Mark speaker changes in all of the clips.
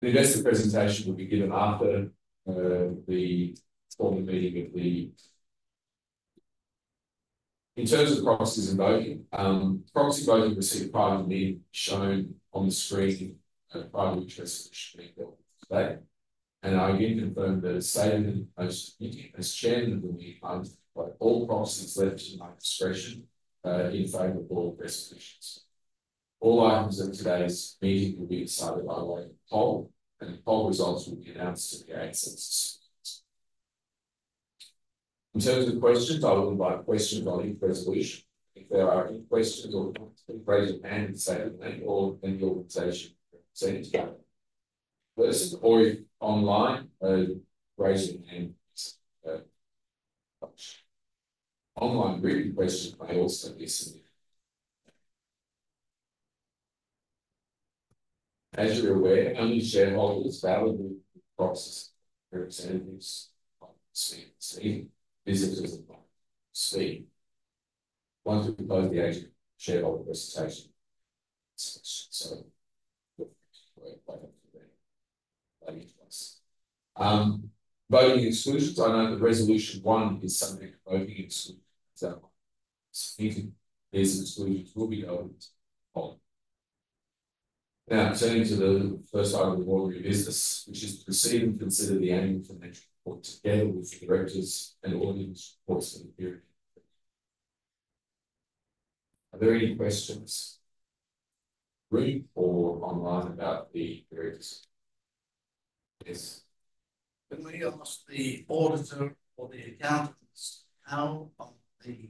Speaker 1: The next presentation will be given after the formal meeting of the, in terms of proxies and voting, proxy voting will see a private meeting shown on the screen and a private resolution being brought to the debate, and I again confirm that as Chairman, I will be held by all proxies left to my discretion in favor of all resolutions. All items of today's meeting will be decided by way of a poll, and the poll results will be announced at the conclusion. In terms of questions, I will invite questions on each resolution. If there are any questions, raise your hand and say your name or any organization represented or person, or if online, raise your hand. Online, group questions may also be submitted. As you're aware, only shareholders, valid proxy representatives, visitors, and staff speak. Once we close the agenda, shareholder presentation. We'll wait until then. Voting exclusions. I know that Resolution One is subject to voting exclusions. These exclusions will be opened on. Now, turning to the first item of ordinary business, which is to proceed and consider the annual financial report together with the directors' and auditors' reports of the period. Are there any questions from the room or online about the directors? Yes.
Speaker 2: Can we ask the auditor or the accountants how the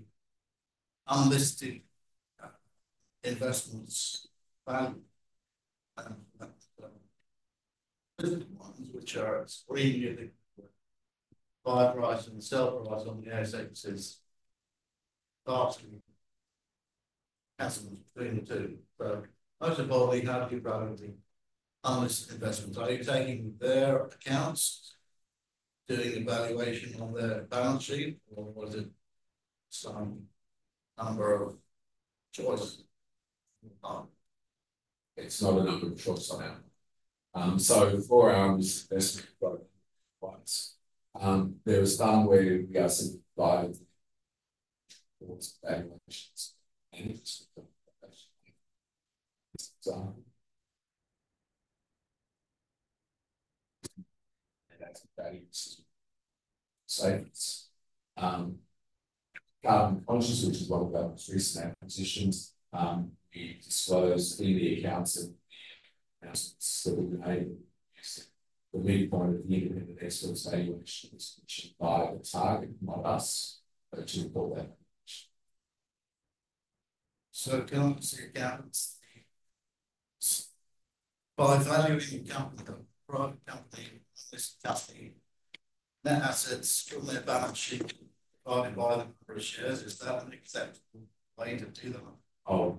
Speaker 2: unlisted investments value different ones which are screened by price and sell price on the assets? First of all, how do you value the unlisted investments? Are you taking their accounts, doing evaluation on their balance sheet, or was it some number of choices?
Speaker 1: It's not a number of choices so for our risk assessment price, there is somewhere we are simplified for evaluations and that's the value of savings. Carbon Conscious, which is one of our most recent acquisitions, we disclose in the accounts and announcements that we've made. The midpoint of the independent expert's evaluation is by the target, not us, to report that.
Speaker 2: So, accounts. By valuing a private company and unlisted company, net assets from their balance sheet divided by the number of shares. Is that an acceptable way to do that?
Speaker 1: Oh, absolutely.
Speaker 3: Yeah.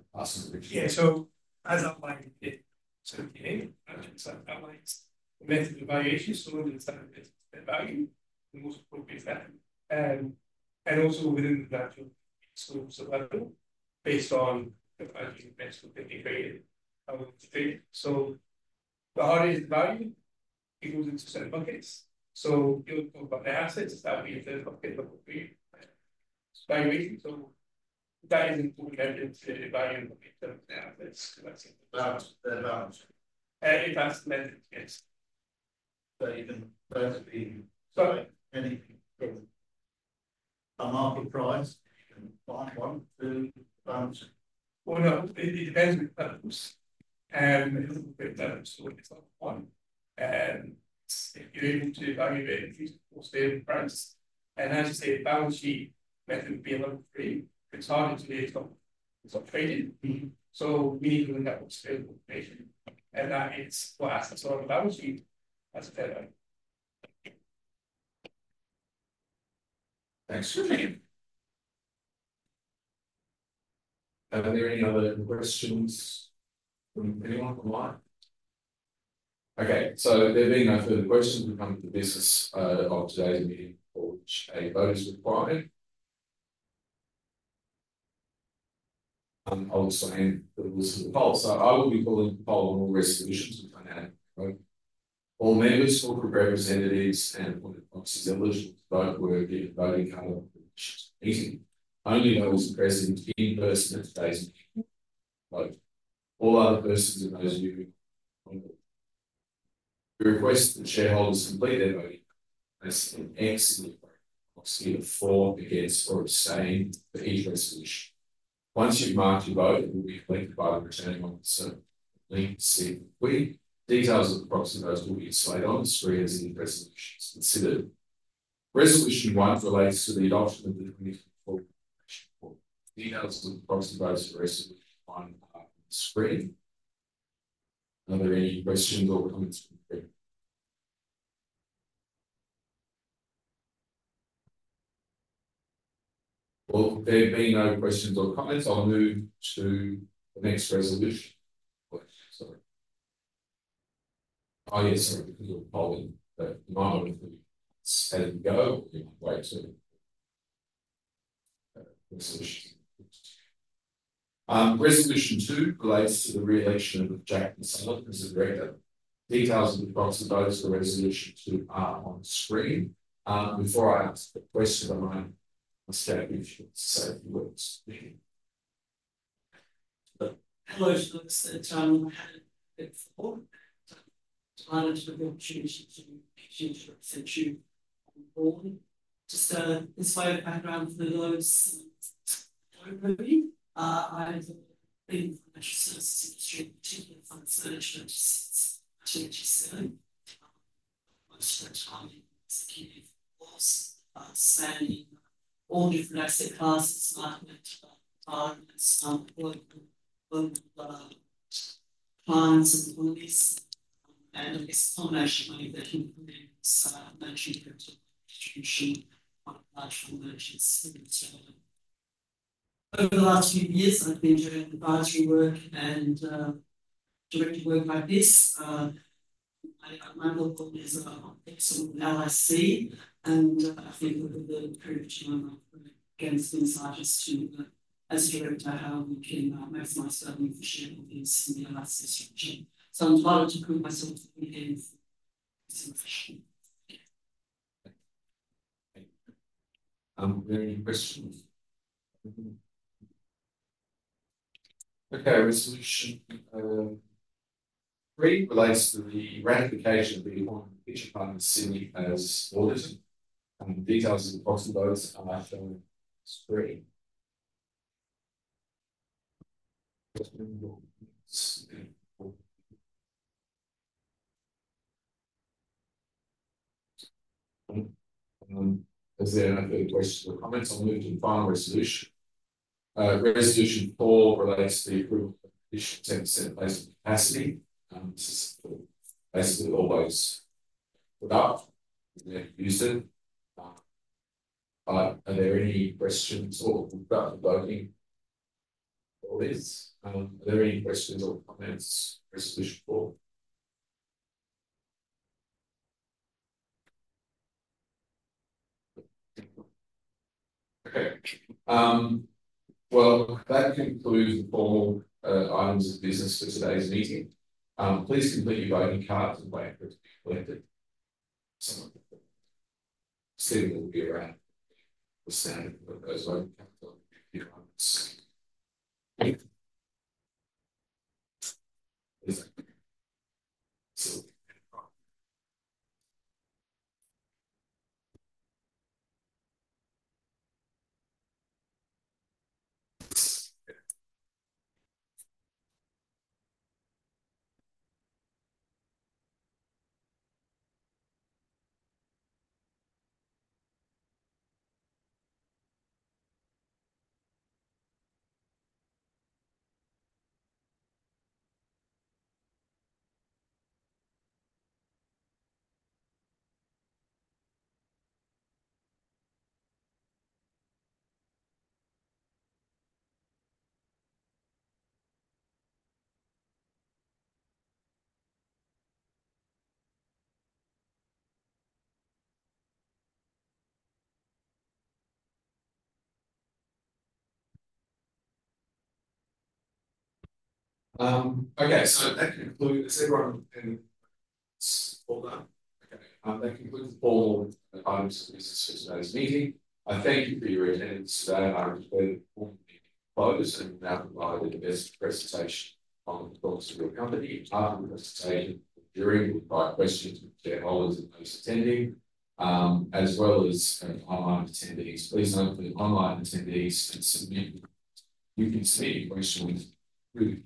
Speaker 3: As I'm like, it's okay. I like the method of evaluation. We'll decide the value, the most appropriate value. And also within the natural scope survival based on the value investment that they created. The asset value falls into certain buckets. You'll talk about the assets. That would be a third bucket that we create by weighting. That is important evidence to evaluate the assets.
Speaker 2: That's the balance sheet.
Speaker 3: If that's meant to, yes.
Speaker 2: You can both be.
Speaker 3: Sorry.
Speaker 2: Anything. A market price. You can find one, two, one.
Speaker 3: No, it depends on the purpose and it's a little bit better so it's not one and if you're able to evaluate the use of forced labor price and as you say, balance sheet method would be a little free. It's harder to do. It's not traded so we need to look at what's available information and that is what assets are on the balance sheet as a better.
Speaker 2: Thanks.
Speaker 1: Are there any other questions from anyone from live? Okay. So there being no further questions, we come to the business of today's meeting, which a vote is required. I'll also hand the list of the poll. So I will be calling the poll on all resolutions with dynamic voting. All members, corporate representatives, and appointed proxies eligible to vote were given voting cards. Only those present in person at today's meeting vote. All other persons and those who request that shareholders complete their voting card must give a for against or abstain for each resolution. Once you've marked your vote, it will be collected by the returning officer. Link to see the details of the proxy votes will be displayed on the screen as the resolution is considered. Resolution One relates to the adoption of the 2024 information report. Details of the proxy votes for resolution one are on the screen. Are there any questions or comments? Well, there being no questions or comments, I'll move to the next resolution. Oh, yes. Sorry. Because of the polling, the motion has to go. Resolution Two relates to the re-election of Jacqueline Sullivan as a Director. Details of the proxy votes for Resolution Two are on the screen. Before I ask the question, I might just have you say a few words.
Speaker 4: Hello. Looks like I had a bit before, and I'm delighted to have the opportunity to continue to represent you on the board. Just to provide a background for those who don't know me, I'm in the financial services industry, particularly funds management since 2007. I've spent time executing laws, expanding all different asset classes, market, finance, political, global finance, and economics. I guess fundamentally that includes market distribution and financial markets. Over the last few years, I've been doing advisory work and director work like this. My role is on the LIC, and I think over the period of time I've worked as an insider to. As a director, how we can maximize value for shareholders in the SNC structure. I'm delighted to put myself in the position.
Speaker 1: Are there any questions? Okay. Resolution Three relates to the ratification of appointment of Pitcher Partners Sydney as the Auditor. Details of the proxy votes are shown on the screen. Is there any questions or comments? I'll move to the final resolution. Resolution Four relates to the approval of the additional 10% placement capacity. This is basically always put up. We've never used it. But are there any questions or we've got the voting for this? Are there any questions or comments for Resolution Four? Okay. Well, that concludes the formal items of business for today's meeting. Please complete your voting cards and wait for it to be collected. Some of the people will be around to collect those voting cards. Okay. So that concludes the formal items. Hold on. Okay. That concludes the formal items of business for today's meeting. I thank you for your attendance today. I've completed the formal meeting procedures and now we'll provide the best presentation on the proxy for your company. After the presentation, there will be five minutes for questions with shareholders and those attending, as well as online attendees. Please note for the online attendees to submit. You can submit your questions through the Q&A function. Again, I would ask to say. That concludes the formal meeting. Thank you. Now I'll turn to the shareholder presentation. So in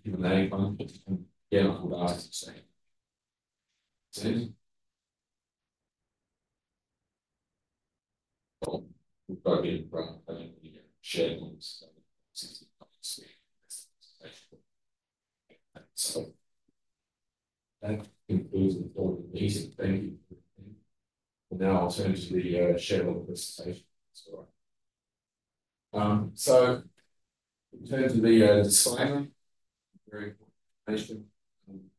Speaker 1: terms of the disclaimer, very important information.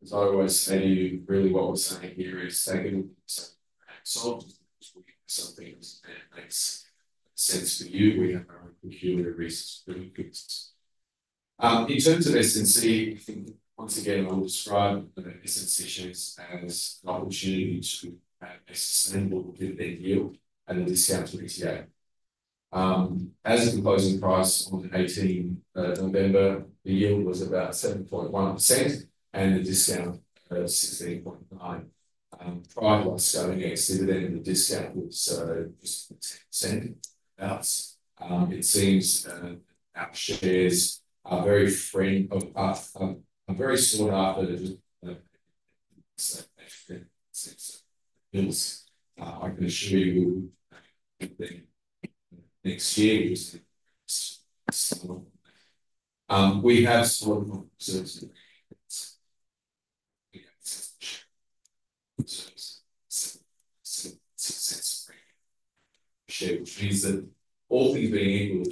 Speaker 1: As I always say to you, really what we're saying here is take it with a grain of salt. We have some things that make sense for you. We have our own peculiar risks and odds. In terms of SNC, once again, I will describe SNC shares as an opportunity to have a sustainable dividend yield and a discount to NTA. As at the closing price on 18th of November, the yield was about 7.1% and the discount 16.9%. Prior to us going ex-dividend, the discount was just 10%. It seems our shares are very sought after the discount. I can assure you next year we'll see some. We have some shares, which means that all things being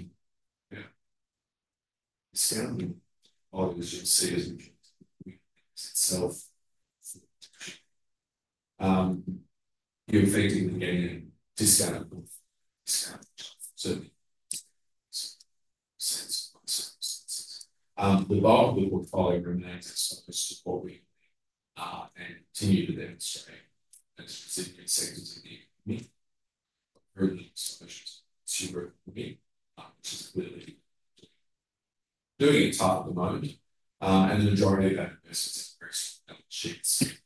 Speaker 1: equal if you maintain the dividend level, if the directors maintain the dividend, you obviously need to. Buying SNC shares today means that you're buying discounted or you should see as itself you're effectively getting a discounted sense of the portfolio remains as supportive and continue to demonstrate specific sectors in the company. For urgent solutions to work for me, which is clearly doing it top of the moment and the majority of that investment is very small.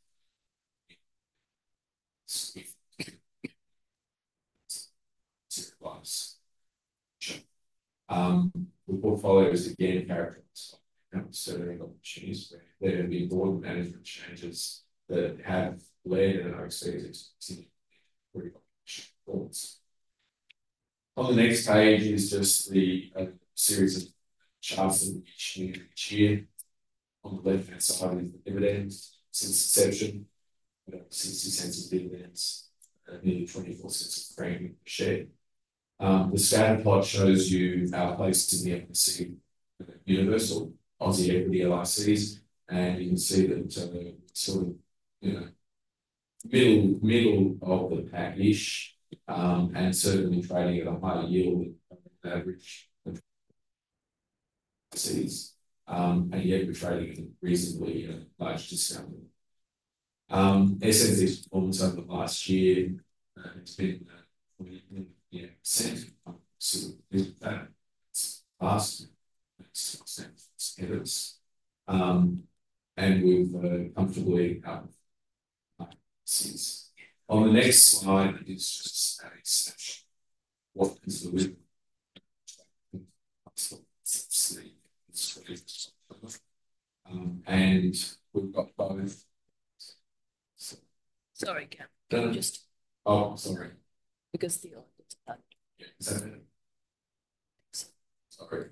Speaker 1: The portfolio is again characterized by certain opportunities where there have been board management changes that have led in our experience to significantly improved operational performance. On the next page is just a series of charts that we've been showing you each year. On the left-hand side is the dividend since inception, 0.60 of dividends, nearly 0.24 of premium per share. The scatter plot shows you our placing in the NTA, universal Aussie equity LICs, and you can see that sort of middle of the packish and certainly trading at a higher yield than average LICs, and yet we're trading at a reasonably large discount. SNC's performance over the last year has been 28%. It's up 6%. And we've comfortably outperformed LICs. On the next slide is just a snapshot of what is the real. And we've got both.
Speaker 3: Sorry, Gab. Just.
Speaker 1: Oh, sorry.
Speaker 3: Because Theo had the.
Speaker 1: Yeah. Is that better?
Speaker 3: I think so.
Speaker 1: Sorry.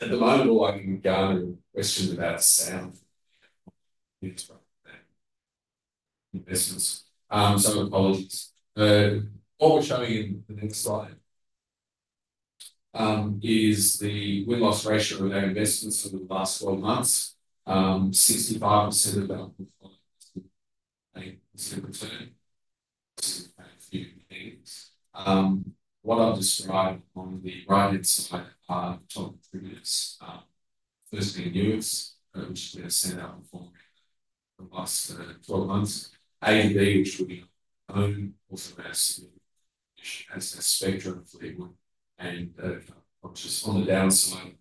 Speaker 1: At the moment, all I can gather is questions about sound. Some apologies. What we're showing in the next slide is the win-loss ratio of our investments over the last 12 months. 65% of our portfolio has been a positive return. To a few things. What I've described on the right-hand side are the top three contributors. First being Nuix, which we have seen outperform for the last 12 months. A2B, which we own, also Coventry, which has a spectacular result and just on the downside.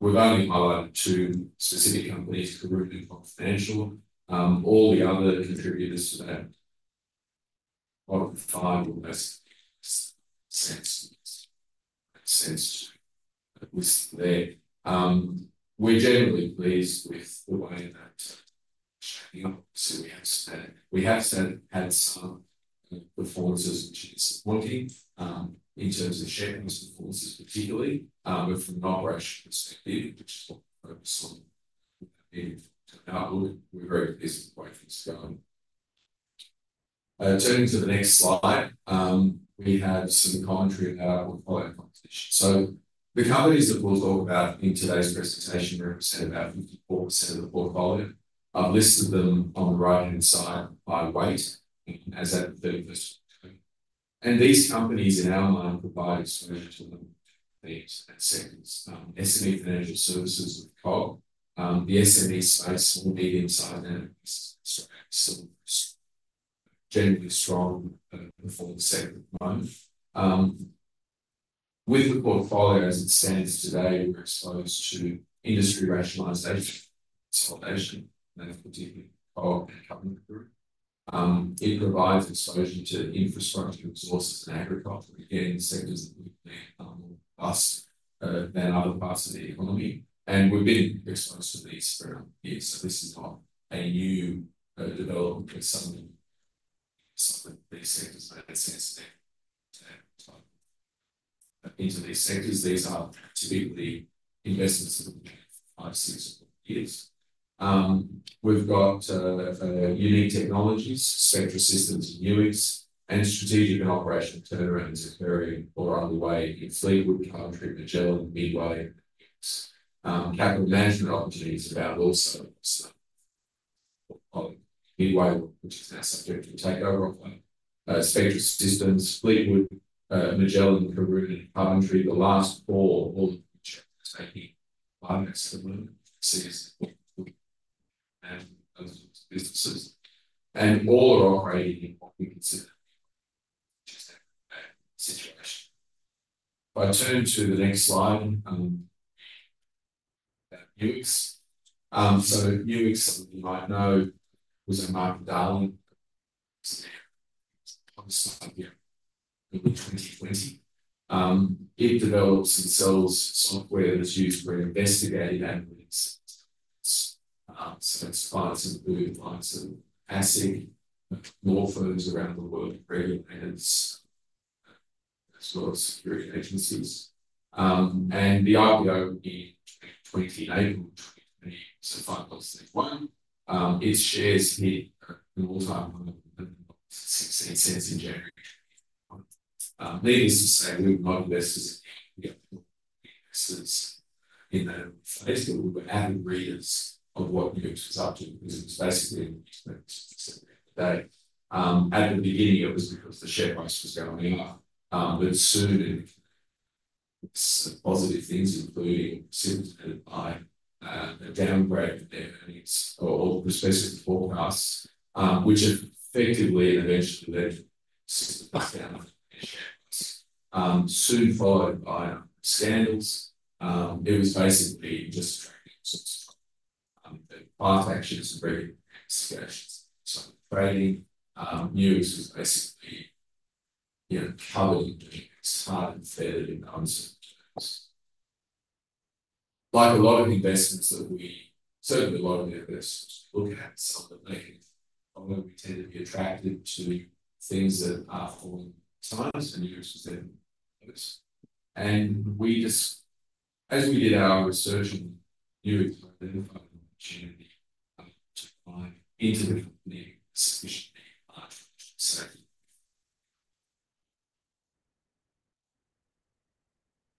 Speaker 1: We've only highlighted two specific companies, Karoon and COG Financial. All the other contributors to that, five or less cents to NTA there. We're generally pleased with the way that's shaping up. We have had some performances which are supporting in terms of shareholders' performances, particularly from an operational perspective, which is what we focus on. We're very pleased with the way things are going. Turning to the next slide, we have some commentary about our portfolio composition. The companies that we'll talk about in today's presentation represent about 54% of the portfolio. I've listed them on the right-hand side by weight as at the 31st of October. These companies in our mind provide exposure to a number of different themes and sectors. SME Financial Services with COG. The SME space will be the inside analysts. Generally strong performance sector at the moment. With the portfolio as it stands today, we're exposed to industry rationalization, consolidation, particularly COG and Coventry. It provides exposure to infrastructure resources and agriculture. Again, sectors that we've been more robust than other parts of the economy, and we've been exposed to these for a number of years. So this is not a new development or something. These sectors made sense to enter into these sectors. These are typically investments that have been made five to six years. We've got unique technologies, Spectra Systems and Nuix, and strategic and operational turnarounds occurring all the way in Fleetwood, Coventry, Magellan, Midway. Capital management opportunities about also Midway, which is now subject to takeover of Spectra Systems, Fleetwood, Magellan, Karoon, and Coventry. The last four are all in the future. Taking five minutes at the moment. Six businesses. And all are operating in what we consider a situation. If I turn to the next slide, about Nuix. So Nuix, as you might know, was a market darling. It's on the slide here in 2020. It develops and sells software that's used for investigative analytics. So it's used by ASIC, law firms around the world, regulators, as well as security agencies. The IPO in April 2020 was AUD 5.731. Its shares hit an all-time high of 11.16 in January. Needless to say, we were not investors in that phase, but we were avid readers of what Nuix was up to because it was basically the expected to be today. At the beginning, it was because the share price was going up. But soon positive things, including simply by a downgrade in their earnings or prospective forecasts, which effectively and eventually led to a downshift, soon followed by scandals. It was basically just trader exits, class actions and regulatory investigations. So trading Nuix was basically covered in the news hard and fast in uncertain terms. Like a lot of investments that a lot of investors look at and some that they can't. We tend to be attracted to things that are falling times and Nuix was there. And as we did our research on Nuix, we identified an opportunity to buy into the company sufficiently large.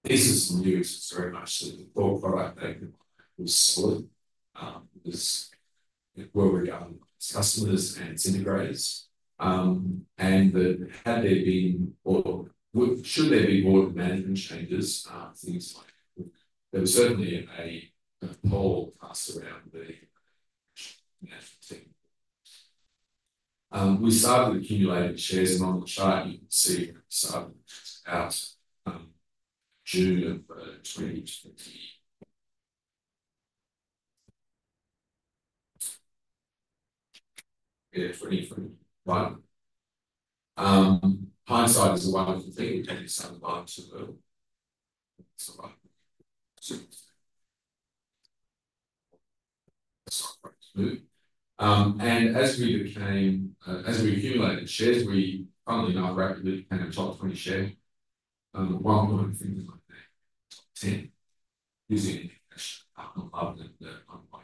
Speaker 1: Nuix was very much the hot product they provided was solid. It was well regarded by its customers and its integrators. And had there been or should there be board management changes, things like there was certainly a lot of talk around the analyst team. We started accumulating shares and on the chart you can see we started in June of 2021. Hindsight is a wonderful thing. We tend to buy low and sell high. And as we accumulated shares, we funnily enough rapidly became a top 20 shareholder. At one point, things like that, top 10, zooming up and down. Our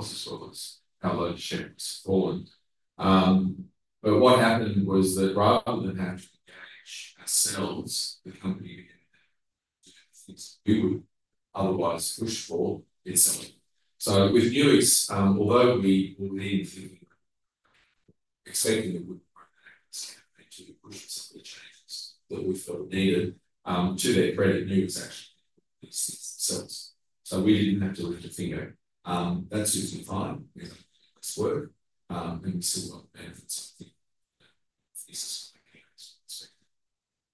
Speaker 1: losses were less. Our holding of shares was fallen. But what happened was that rather than having to engage ourselves, the company began to do things we would otherwise push for in selling. So with Nuix, although we were then thinking, expecting that we wouldn't grow that across the campaign to push for some of the changes that we felt needed, to their credit, Nuix actually did things themselves. So we didn't have to lift a finger. That suits me fine. It's worked. And we still got the benefits, I think, from a business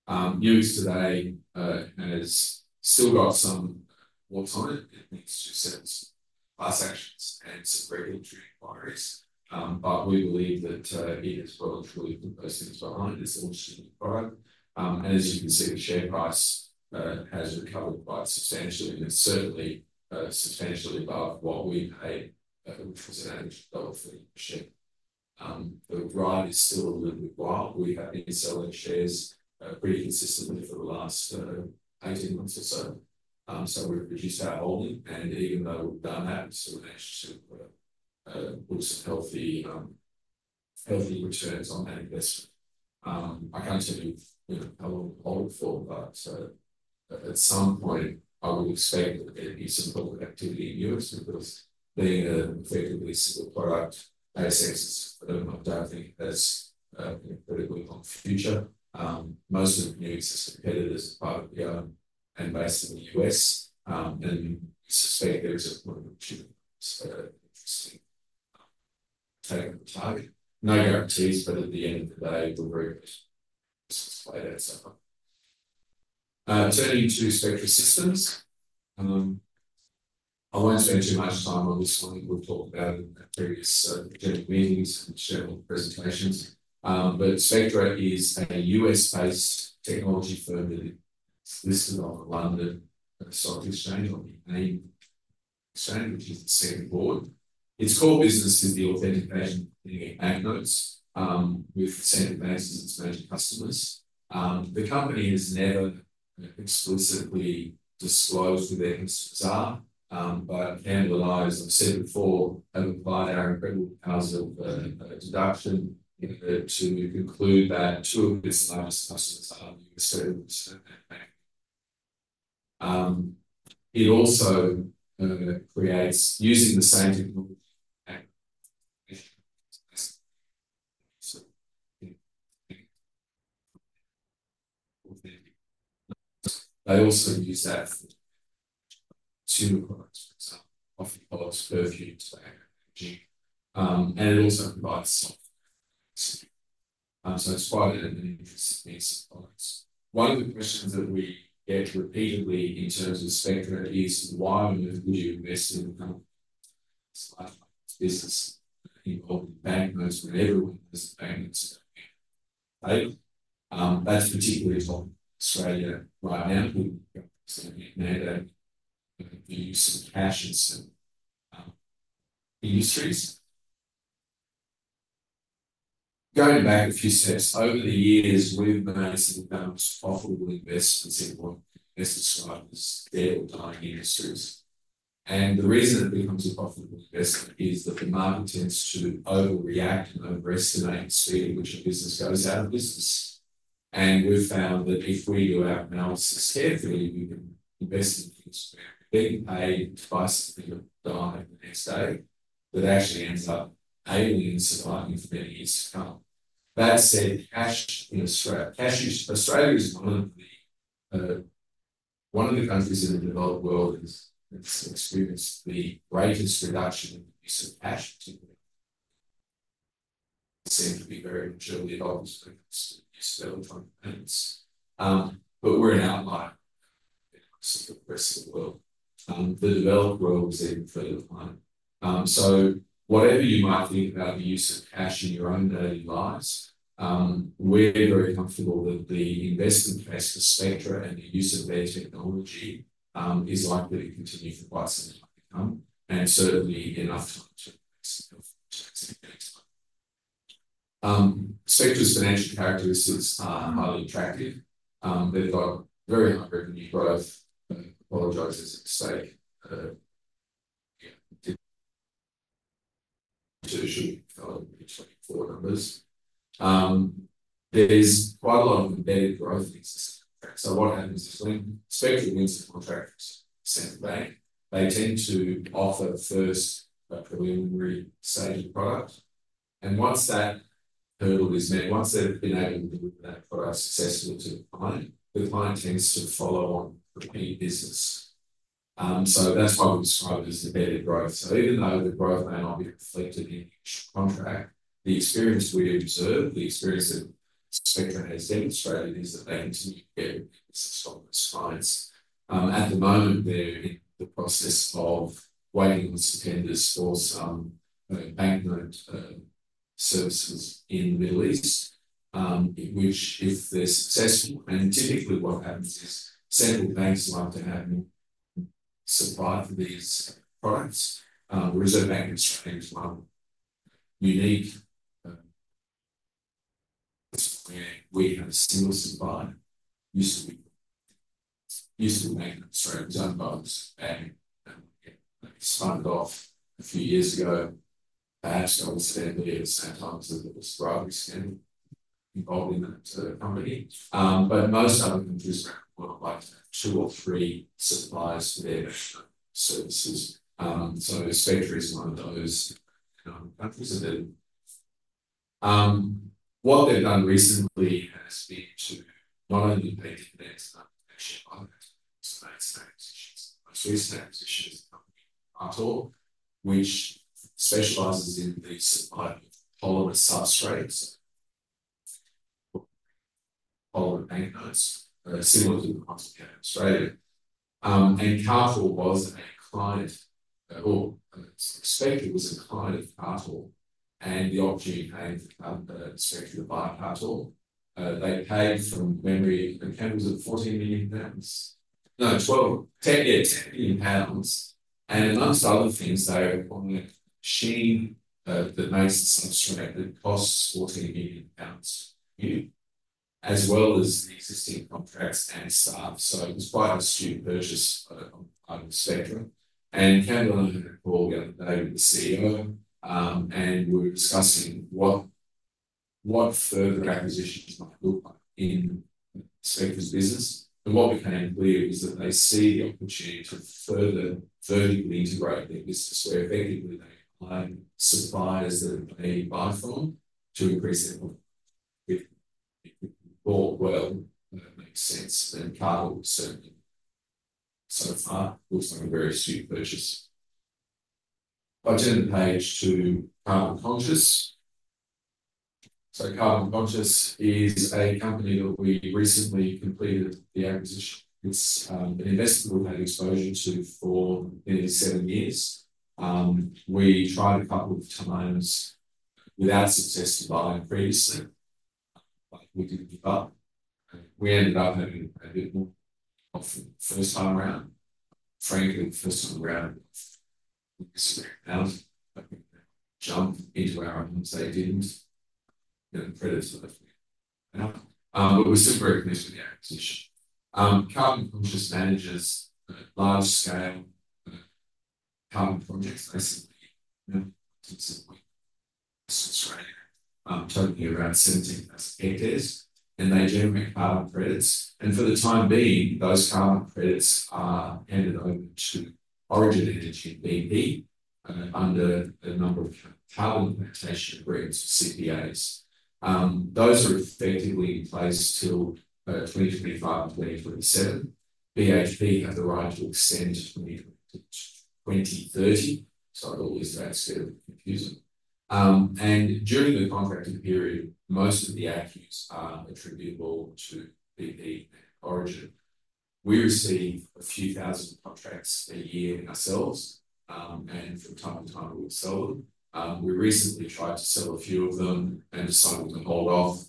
Speaker 1: perspective. Nuix today has still got some warts on it. It needs to settle some actions and some regulatory inquiries. But we believe that it is well and truly put those things behind it and launched product. As you can see, the share price has recovered quite substantially and is certainly substantially above what we paid, which was an average AUD 1.30 for each share. The ride is still a little bit wild. We have been selling shares pretty consistently for the last 18 months or so. So we've reduced our holding. Even though we've done that, we still managed to book some healthy returns on that investment. I can't tell you how long I'll hold for, but at some point, I would expect there'd be some public activity in Nuix because being a fairly simple product, ASX is a bit of my dad's thing that has a very long future. Most of the Nuix's competitors are part of the IPO and based in the U.S. I suspect there is a point in which it's interesting to take the target. No guarantees, but at the end of the day, we're very good. Just explain that somehow. Turning to Spectra Systems. I won't spend too much time on this one. We've talked about it in previous general meetings and shared presentations. But Spectra is a U.S.-based technology firm that is listed on the London Stock Exchange or the main exchange, which is the second board. Its core business is the authentication and cleaning banknotes with central banks as its major customers. The company has never explicitly disclosed who their customers are, but Campbell and I, as I've said before, have applied our incredible powers of deduction to conclude that two of its largest customers are the U.S. Federal Reserve Bank. It also creates, using the same technology also used in products such as coffee pods, perfume and tobacco packaging and it also provides software for gaming security It's quite an interesting piece of products. One of the questions that we get repeatedly in terms of Spectra is why would you invest in a company? It's a business involving banknotes when everyone has a banknote to go and pay. That's a particularly hot topic in Australia right now. We've got some debate over the use of cash in some industries. Going back a few steps, over the years, we've made some of the most profitable investments in what investors describe as dead or dying industries. The reason it becomes a profitable investment is that the market tends to overreact and overestimate the speed at which a business goes out of business. And we've found that if we do our analysis carefully, we can invest in things where being paid twice the amount of dividend yield the next day that actually ends up aiding and supplying for many years to come. That said, cash in Australia. Australia is one of the countries in the developed world that's experienced the greatest reduction in the use of cash, particularly. It seemed to be very maturely adopted by the rest of the U.S. developed economies. But we're an outlier across the rest of the world. The developed world is even further behind. So whatever you might think about the use of cash in your own daily lives, we're very comfortable that the investment case for Spectra and the use of their technology is likely to continue for quite some time to come. And certainly enough time to invest in healthy investment. Spectra's financial characteristics are highly attractive. They've got very high revenue growth. I apologize for a mistake, so it should be in 24 numbers. There's quite a lot of embedded growth in existing contracts, so what happens is when Spectra wins a contract with a central bank, they tend to offer first a preliminary stage of product, and once that hurdle is met, once they've been able to deliver that product successfully to the client, the client tends to follow on for any business, so that's why we describe it as embedded growth, so even though the growth may not be reflected in each contract, the experience we observe, the experience that Spectra has demonstrated is that they continue to get business from those clients. At the moment, they're in the process of waiting on tenders for some banknote services in the Middle East, which if they're successful, and typically what happens is central banks like to have supply for these products. The Reserve Bank of Australia is one unique where we have a single supply. Used to be Bank of Australia, was owned by the Reserve Bank. It spun off a few years ago. Perhaps I was there near the same time as the Securency scandal involved in that company. But most other countries around the world like to have two or three suppliers for their national services. So Spectra is one of those countries that they're looking for. What they've done recently has been to not only pay dividends and other financial products, but also make some acquisitions. Most recent acquisition is a company called Cartor, which specializes in the supply of polymer substrates, polymer banknotes, similar to the ones we have in Australia, and Cartor was a client of, or Spectra was a client of Cartor, and the opportunity came for Spectra to buy Cartor. They paid from memory, I think it was 14 million pounds. No, 12, yeah, 10 million pounds, and amongst other things, they own a machine that makes a substrate that costs GBP 14 million a year, as well as the existing contracts and staff, so it was quite a steep purchase for Spectra, and Chamberlain and Corrigan, they were the CEO, and were discussing what further acquisitions might look like in Spectra's business. What became clear is that they see the opportunity to further vertically integrate their business, where effectively they acquired suppliers that they buy from to increase their profitability. If you thought, well, that makes sense, then Cartor would certainly so far look like a very steep purchase. If I turn the page to Carbon Conscious. So Carbon Conscious is a company that we recently completed the acquisition. It's an investor we've had exposure to for nearly seven years. We tried a couple of times without success to buy them previously, but we didn't give up. We ended up having a bit more offering the first time around. Frankly, the first time around, we missed a fair amount. I think they jumped into our arms. They didn't get the credit for the first time. But we're super happy with the acquisition. Carbon Conscious manages large-scale carbon projects, basically to support Western Australia, totaling around 17,000 hectares. They generate carbon credits. For the time being, those carbon credits are handed over to Origin Energy and BP under a number of Carbon Plantation Agreements (CPAs). Those are effectively in place till 2025 and 2027. BHP have the right to extend to 2020 to 2030. So I'll always say that's a bit confusing. During the contracting period, most of the ACCUs are attributable to BP and Origin. We receive a few thousand credits a year ourselves. From time to time, we'll sell them. We recently tried to sell a few of them and decided to hold off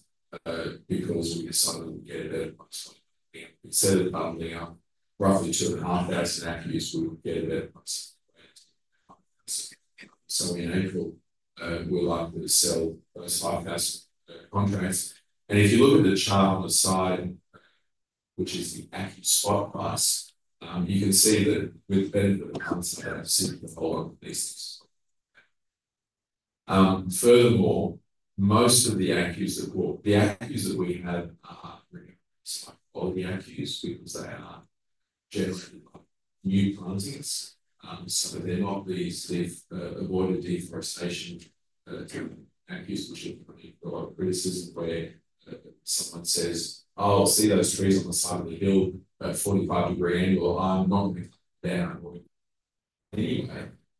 Speaker 1: because we decided we'd get a better price on them. Instead of bundling up roughly 2,500 ACCUs, we would get a better price on them. So in April, we're likely to sell those 5,000 contracts. And if you look at the chart on the side, which is the ACCU spot price, you can see that with the benefit of the concept that I've seen before, at least. Furthermore, most of the ACCU that we have are highly recommended. It's like quality ACCU because they are generally new plantings. So they're not these avoided deforestation ACCU, which will probably draw criticism where someone says, "Oh, I'll see those trees on the side of the hill at 45-degree angle. I'm not going to cut them down or anything."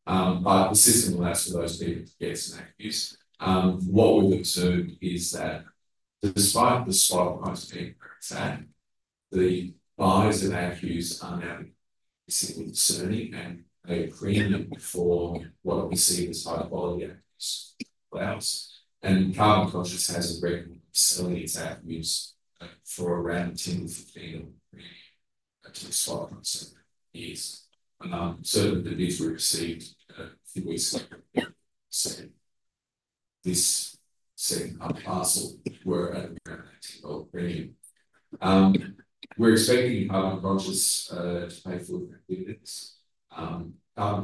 Speaker 1: But the system allows for those people to get some ACCU. What we've observed is that despite the spot price being very fat, the buyers of ACCU are now simply discerning, and they pre-empt for what we see as high-quality ACCU. Carbon Conscious has a record of selling its ACCUs for around 10 to 15 or 18 spot price over the years. Certainly, the deals we received a few weeks ago, this second-time parcel, were at around AUD 18 million. We're expecting Carbon Conscious to pay a dividend. Carbon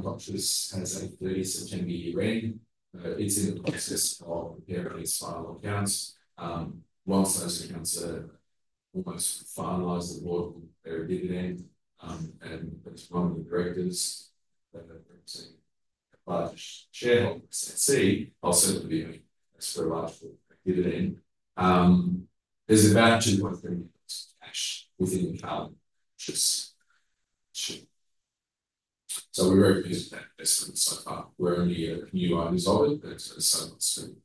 Speaker 1: Conscious has a 30 September year-end. It's in the process of preparing its final accounts. Once those accounts are almost finalized and audited, they'll pay a dividend. As one of the directors, I'm a large shareholder in SNC, I'll certainly support a large dividend. There's about 2.3 million cash within the Carbon Conscious shares. So we're very pleased with that investment so far. We're only a few years into it, but it's going to soon be spent.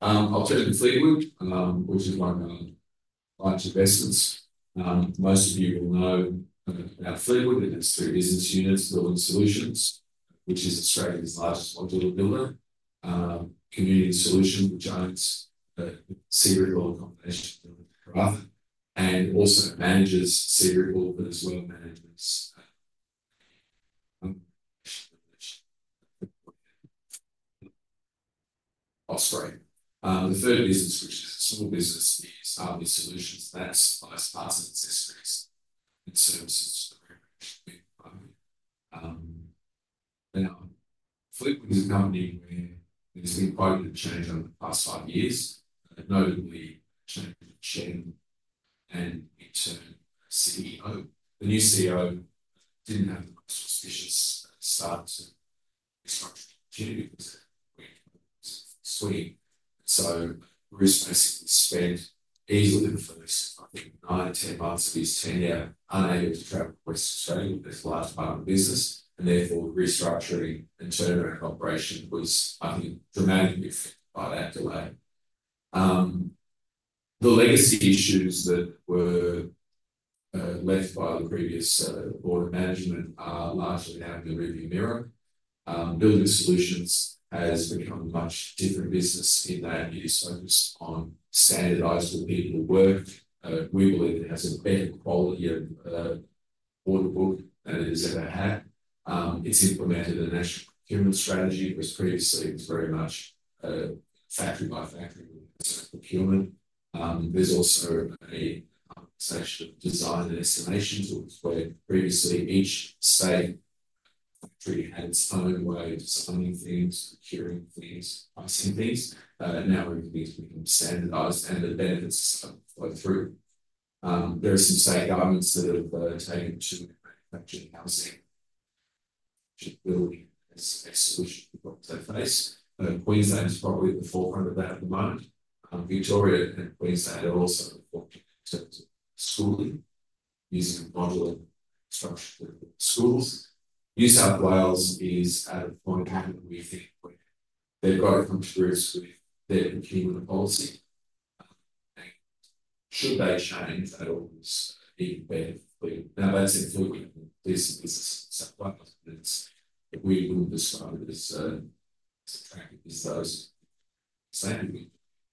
Speaker 1: I'll turn to Fleetwood, which is one of our large investments. Most of you will know about Fleetwood. It has three business units, Building Solutions, which is Australia's largest modular builder. Community Solutions, which owns Searipple and accommodation buildings, and also manages Searipple, but as well manages Osprey. The third business, which is a small business, is RV Solutions. That's parts and accessories and services to the recreational vehicle market. Now, Fleetwood is a company where there's been quite a bit of change over the past five years, notably a change of chairman and interim CEO. The new CEO didn't have the most auspicious start to restructure the company because of COVID. So Bruce basically spent easily the first, I think, nine or 10 months of his tenure unable to travel to Western Australia where this large part of the business, and therefore restructuring and turnaround operation was, I think, dramatically affected by that delay. The legacy issues that were left by the previous board of management are largely now in the rearview mirror. Building Solutions has become a much different business in that it is focused on standardized, repeatable work. We believe it has a better quality of order book than it has ever had. It's implemented a national procurement strategy, whereas previously it was very much factory by factory within its own procurement. There's also a consolidation of design and estimations, where previously each state factory had its own way of designing things, procuring things, pricing things. Now everything's become standardized, and the benefits have flowed through. There are some state governments that have taken to manufactured housing, which is building solutions for what they face. Queensland is probably at the forefront of that at the moment. Victoria and Queensland are also in the forefront in terms of schooling, using a modular structure for schools. New South Wales is at a point where we think they've got to come to grips with their procurement policy, and should they change that or is it even better for Fleetwood? Now, that's included in the business of New South Wales, but we will describe it as attractive as those in New Zealand.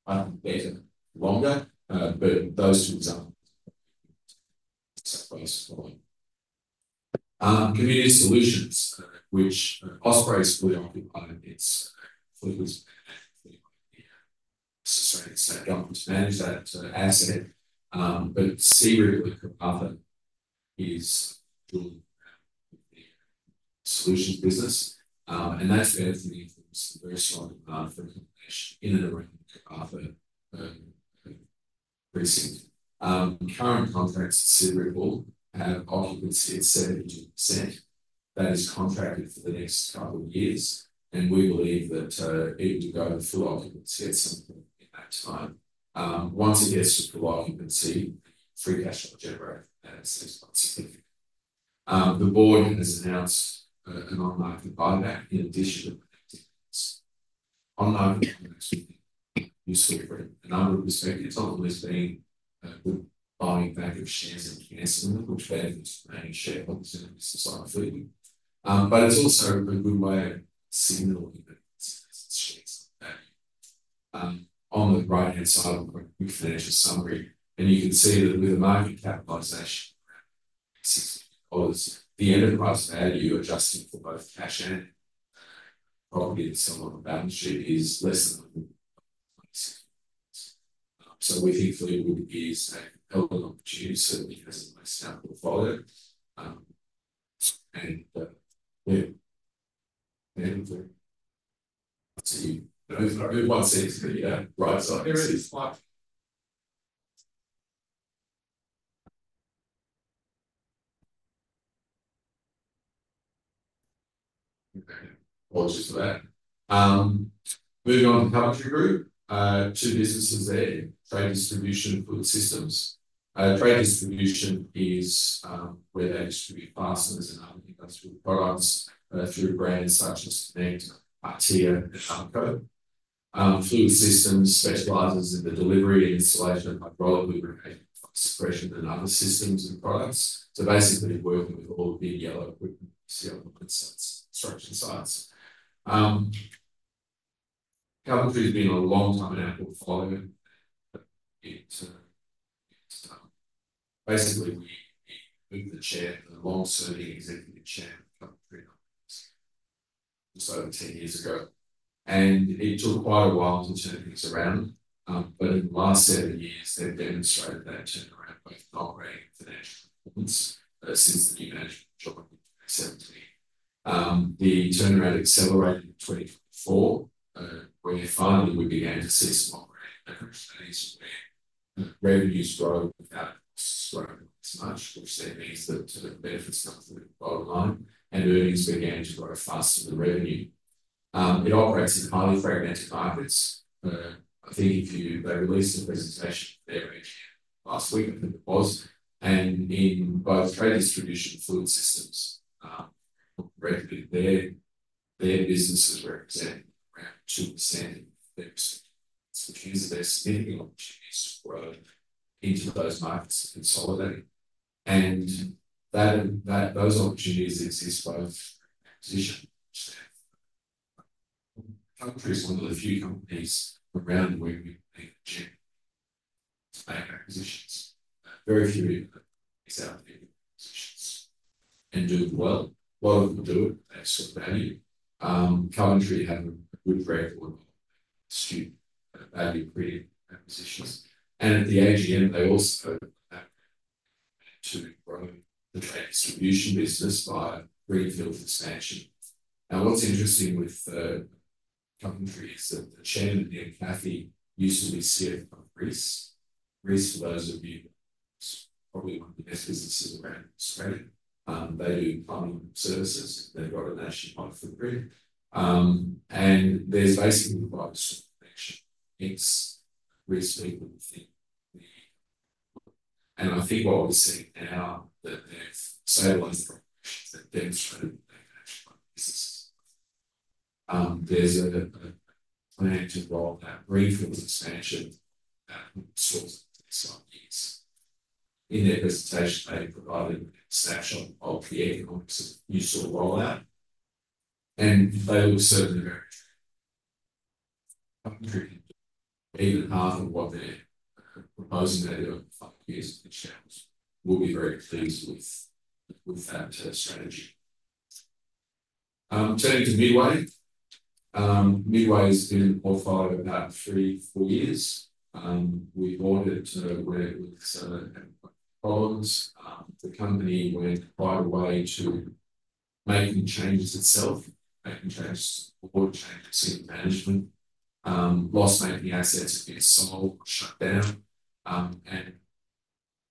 Speaker 1: I think better for longer, but those two examples are probably going to be New South Wales for longer. Community Solutions, which Osprey is fully occupied, it's Fleetwood's managed by the Western Australian state government to manage that asset. But Searipple and Karratha is still the solutions business. That's been from the influx and very strong demand for accommodation in and around Karratha recently. Current contracts at Searipple have occupancy at 72%. That is contracted for the next couple of years. And we believe that it will go to full occupancy at some point in that time. Once it gets to full occupancy, free cash will generate a significant amount. The board has announced an off-market buyback in addition to the activities. Off-market buybacks would be useful for a number of perspectives, not only as being a good buying back of shares in the company in the country, which benefits remaining shareholders in the business of Fleetwood. But it's also a good way of signaling that it's a business shares value. On the right-hand side, we've got a good financial summary. And you can see that with a market capitalization around AUD 185.5 million, the enterprise value adjusting for both cash and property that's on the balance sheet is AUD 146.1 million. So we think Fleetwood is a hidden opportunity. Certainly, it has a nice downward follow. And yeah, so you know everyone seems to be right side here. Okay, apologies for that. Moving on to Coventry Group, two businesses there, Trade Distribution and Fluid Systems. Trade Distribution is where they distribute fasteners and other industrial products through brands such as Konnect, Artia, and Nubco. Fluid Systems specializes in the delivery and installation of hydraulic, lubrication, fire suppression, and other systems and products. So basically, working with all the big yellow equipment you see on the construction sites. Coventry has been a long time in our portfolio. Basically, we moved the chair for the long-serving executive chair of Coventry just over 10 years ago. And it took quite a while to turn things around. But in the last seven years, they've demonstrated that turnaround by operating financial performance since the new management joined in 2017. The turnaround accelerated in 2024, where finally we began to see some operating leverage days where revenues grow without costs growing as much, which then means that benefits come through the bottom line. Earnings began to grow faster than revenue. It operates in highly fragmented markets. I think they released a presentation for their AGM last week, I think it was. In both Trade Distribution and Fluid Systems, respectively their businesses represent around 2% of the market. Which means that there's significant opportunities to grow into those markets and consolidate. Those opportunities exist both for acquisition. Coventry is one of the few companies around where we've been able to make acquisitions. Very few other companies out there do acquisitions and do well. A lot of them do it, but they're still valued. Coventry have a good rate of return on their value creating acquisitions. And at the AGM, they also have managed to grow the Trade Distribution business by greenfield expansion. Now, what's interesting with Coventry is that the Chairman here, Cathie, used to be CEO Reece. Reece, for those of you that know Reece, is probably one of the best businesses around Australia. They do plumbing services. They've got a national hub for green. And there's basically a buyer store connection. It's Reece people who think the. And I think what we're seeing now, that they've stabilized the position and demonstrated that they can actually run businesses. There's a plan to evolve that greenfield expansion that will sort of take some years. In their presentation, they provided a snapshot of the economics of new store rollout. And they look certainly very attractive. Coventry can do even half of what they're proposing they do over five years in these channels. We'll be very pleased with that strategy. Turning to Midway. Midway has been in the portfolio about three, four years. We bought it when it looked like it had quite a few problems. The company went quite a way to making changes itself, making changes, board changes in management. Loss-making assets have been sold or shut down.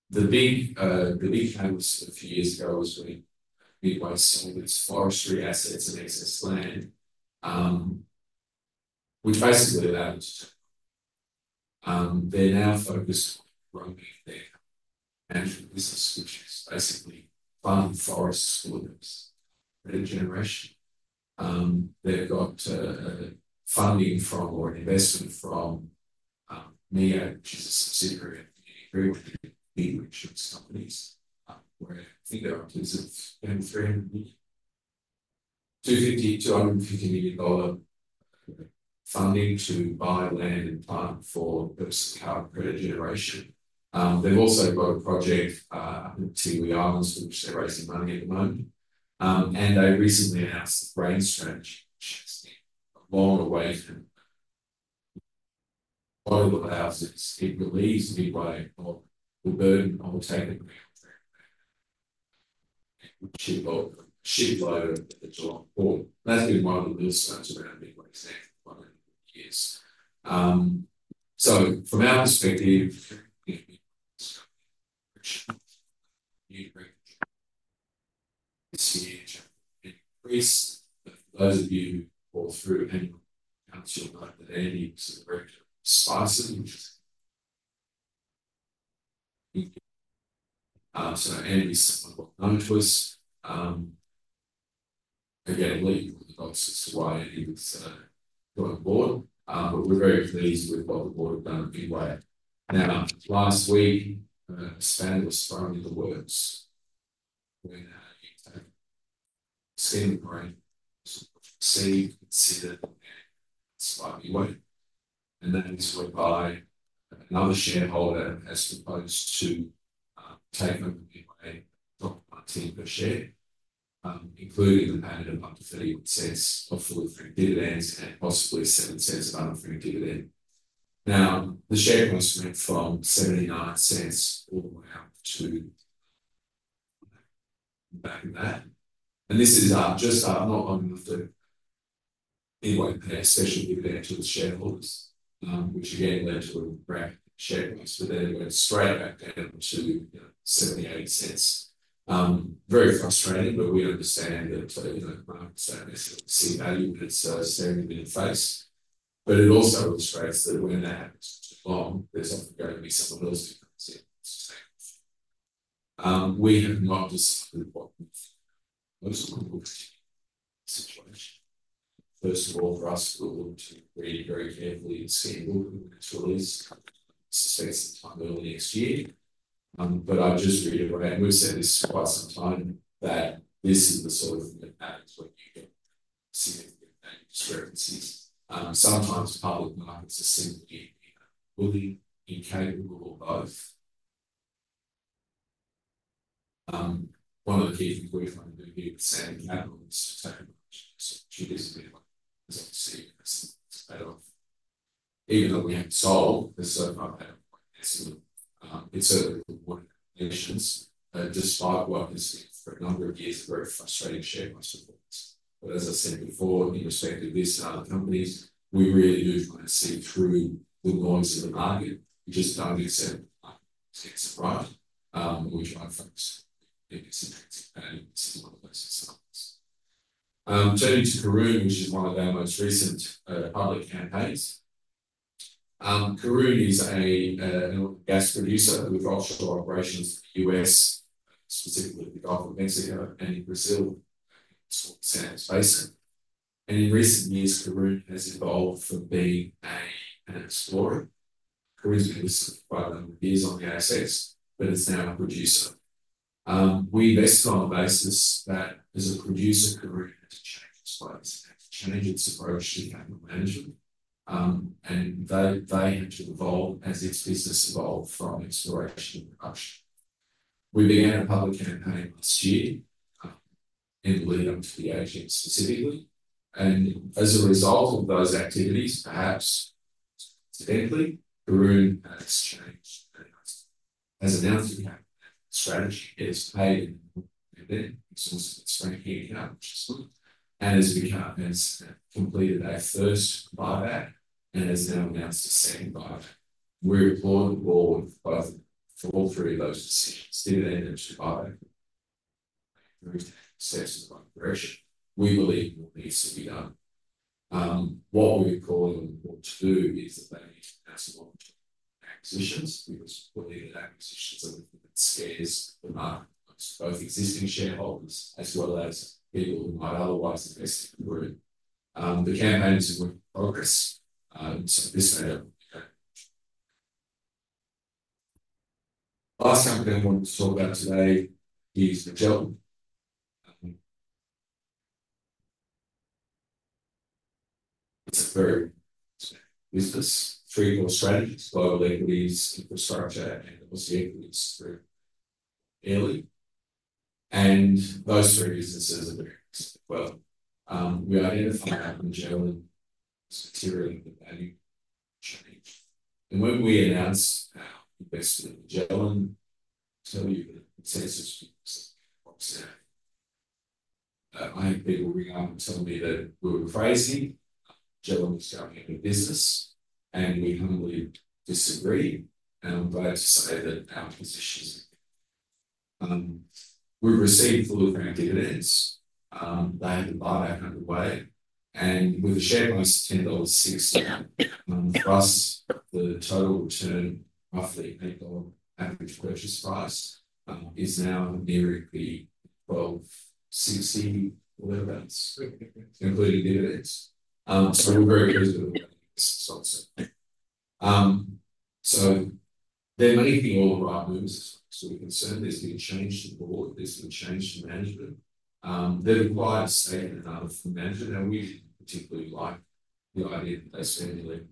Speaker 1: The big catalyst a few years ago was when Midway sold its forestry assets and excess land, which basically allowed them to turn around. They're now focused on growing their natural business, which is basically farm forests for their generation. They've got funding from or an investment from MEAG, which is a subsidiary of Munich Re, where I think they're up to $300 million, $250 million dollar funding to buy land and plant for personal power generation. They've also got a project up in Tiwi Islands, which they're raising money at the moment. They recently announced the Grain Strategy, which has been long-awaited for quite a lot of houses. It relieves Midway of the burden of taking a shipload of residuals on board. That's been one of the millstones around Midway's neck for quite a number of years. From our perspective, this year in Reece, for those of you who bought through anyone else you'll know that Andy was the director of Spectra, which is, so Andy's somewhat well known to us. Again, ticking all the boxes as to why Andy joined the board. But we're very pleased with what the board have done at Midway. Now, last week, a spanner was thrown in the works when River Capital announced their takeover bid. That is whereby another shareholder has proposed to take over Midway at AUD 1.19 per share, including the payment of up to 0.31 of fully franked dividends and possibly 0.07 of unfranked dividend. Now, the share price went from 0.79 all the way up to back in that. This is just not long enough for Midway to pay a special dividend to the shareholders, which again led to a rapid share price for them to go straight back down to 0.78. Very frustrating, but we understand that markets do not necessarily see value when it is staring in the face. But it also illustrates that when that happens too long, there is often going to be some of those differences in the stakes. We have not decided what the most likely situation. First of all, for us, we'll look to realize very carefully and see if we can release companies' assets sometime early next year. But I just reiterate, and we've said this quite some time, that this is the sort of thing. That is when you get significant value discrepancies. Sometimes public markets are simply either unwilling, incapable, or both. One of the key things we've found to do here with Sandon Capital is to take a bunch of shares in Midway, as I've seen in recent months better off. Even though we haven't sold, there's still not quite the liquidity necessary. It's certainly a good warning for the investors, despite what has been for a number of years, a very frustrating share price performance. But as I said before, in respect of this and other companies, we really do try to see through the noise of the market, which is, don't accept the 10 cents on the dollar, which I focus on in this event and similar places like this. Turning to Karoon, which is one of our most recent public campaigns. Karoon is an oil and gas producer with offshore operations in the U.S., specifically the Gulf of Mexico and in Brazil, and it's called the Santos Basin. In recent years, Karoon has evolved from being an explorer. Karoon's been listed for quite a number of years on the ASX, but it's now a producer. We invested on the basis that as a producer, Karoon has to change its ways and has to change its approach to capital management. They have to evolve as its business evolves from exploration to production. We began a public campaign last year in the lead-up to the AGM specifically. And as a result of those activities, perhaps incidentally, Karoon has changed and has announced a capital management strategy. It has paid its inaugural dividend, which is also its franking account, which is good. And has completed a first buyback and has now announced a second buyback. We reported to the board for all three of those decisions: dividend and buyback, approved access to the buying direction. We believe all needs to be done. What we've called on the board to do is that they need to announce a lot of acquisitions, because believe that acquisitions are a little bit scarce for the marketplace, both existing shareholders as well as people who might otherwise invest in Karoon. The campaign is in progress, so this may not be very much. Last company I wanted to talk about today is Magellan. It's a very special business. Three core strategies: Global Equities, Infrastructure Equities, and Australian Equities through Airlie, and those three businesses are very interested as well. We identify our Magellan as material for the value change, and when we announce our investment in Magellan, I'll tell you that consensus people said the opposite. I had people ring up and tell me that we were crazy. Magellan was going to be a bust, and we humbly disagree, and I'm glad to say that our position is good. We've received fully franked dividends. They had the buyback underway, and with a share price of 10.60 dollars, for us, the total return, roughly 8 dollar average purchase price, is now nearing the 12.60, whatever that is, including dividends, so we're very pleased with the way the business is also doing. So they're making all the right moves as far as we're concerned. There's been a change to the board. There's been a change to management. They've acquired a stake in another firm from management. And we particularly like the idea that they spent $11 million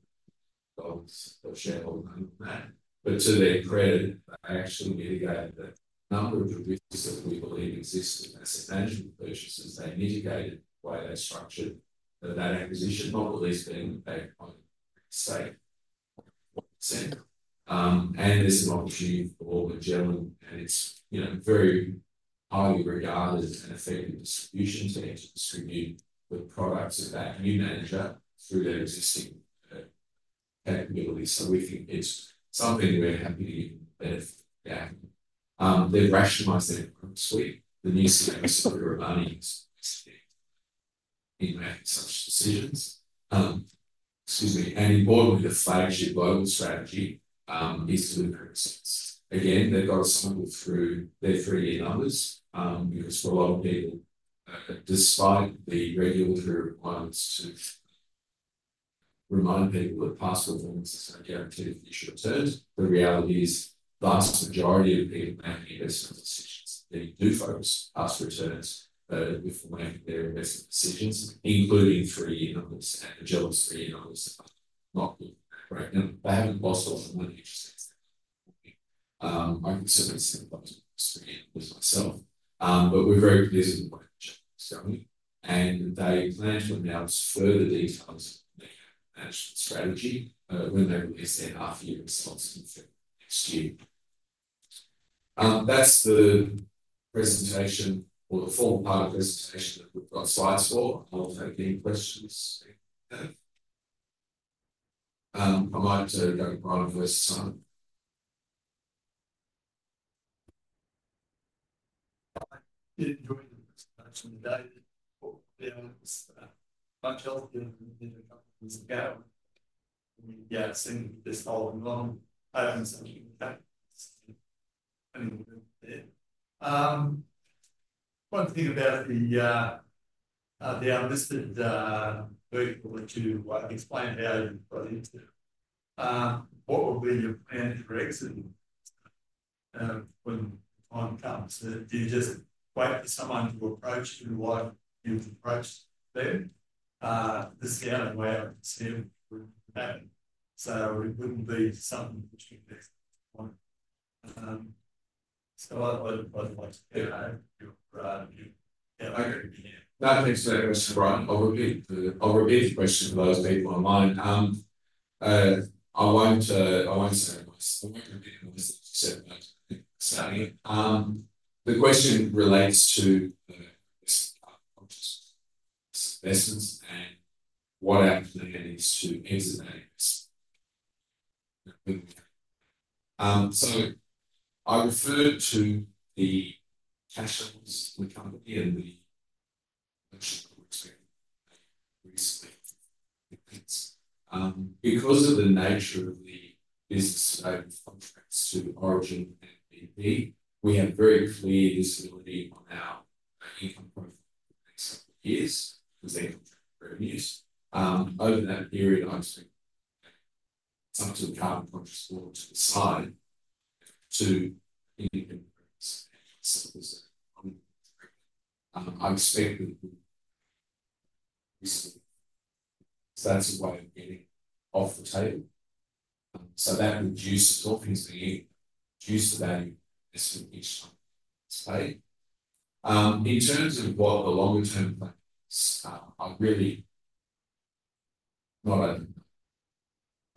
Speaker 1: on that. But to their credit, they actually mitigated the number of dividends that we believe exist in asset management purchases. They mitigated the way they structured that acquisition, not that they've bought a stake of 1%. And there's an opportunity for Magellan and its very highly regarded and effective distribution teams to distribute the products of that new manager through their existing capability. So we think it's something we're happy to benefit from. They've rationalized their approach. The new CEO is best in making such decisions. Excuse me. And importantly, the flagship global strategy is delivering results. Again, they've struggled through their three-year numbers, because for a lot of people, despite the regulatory requirements to remind people that past performance is no guarantee of future returns, the reality is the vast majority of people making investment decisions, they do focus on past returns before making their investment decisions, including three-year numbers and Magellan's three-year numbers that are not good. They haven't lost a lot of money, which is excellent. I lost a lot of money with Magellan myself. But we're very pleased with the work Magellan is doing. And they plan to announce further details of their capital management strategy when they release their half-year results in February next year. That's the presentation, or the formal part of the presentation that we've got slides for. I'll take any questions if we have. I'm open to go to Brian first.
Speaker 2: I didn't join the presentation today. But yeah, I was much healthier than a couple of months ago. Yeah, seemed just holding on. I haven't seen anything there. I want to think about the listed very quickly to explain value for the interview. What would be your plan for exit when the time comes? Do you just wait for someone to approach you like you've approached them? This is the only way I can see it would happen. So it wouldn't be something which we'd be able to find. So I'd like to hear your view.
Speaker 1: No, I think so. Mr. Brian. I'll repeat the question for those people online. I won't say my stuff. I won't repeat my stuff to say my stuff. The question relates to investments and what our plan is to exit that investment. So I referred to the cash flows in the company and the notion that we're expecting to reinvest. Because of the nature of the business-to-value contracts to Origin and BP, we have very clear visibility on our income profile for the next couple of years because the contract revenues. Over that period, I expect to make some sort of carbon contracts bought to the side to independent buyers and sellers that are on the spot. I expect that we'll reinvest. So that's a way of getting off the table. So that reduces all things being equal, reduces the value investment each time it's paid. In terms of what the longer-term plan is, I really don't want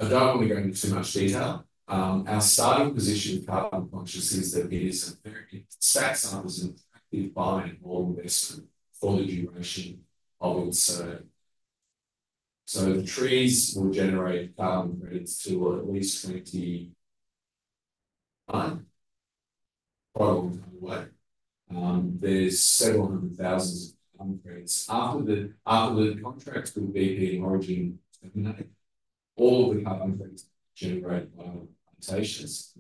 Speaker 1: to go into too much detail. Our starting position with carbon contracts is that it is a very stacked cycle is an attractive buy and hold investment for the duration of it. So the trees will generate carbon credits till at least 2029, quite a long time away. There's several hundred thousands of carbon credits. After the contracts with BP and Origin terminate, all of the carbon credits generate via implementations.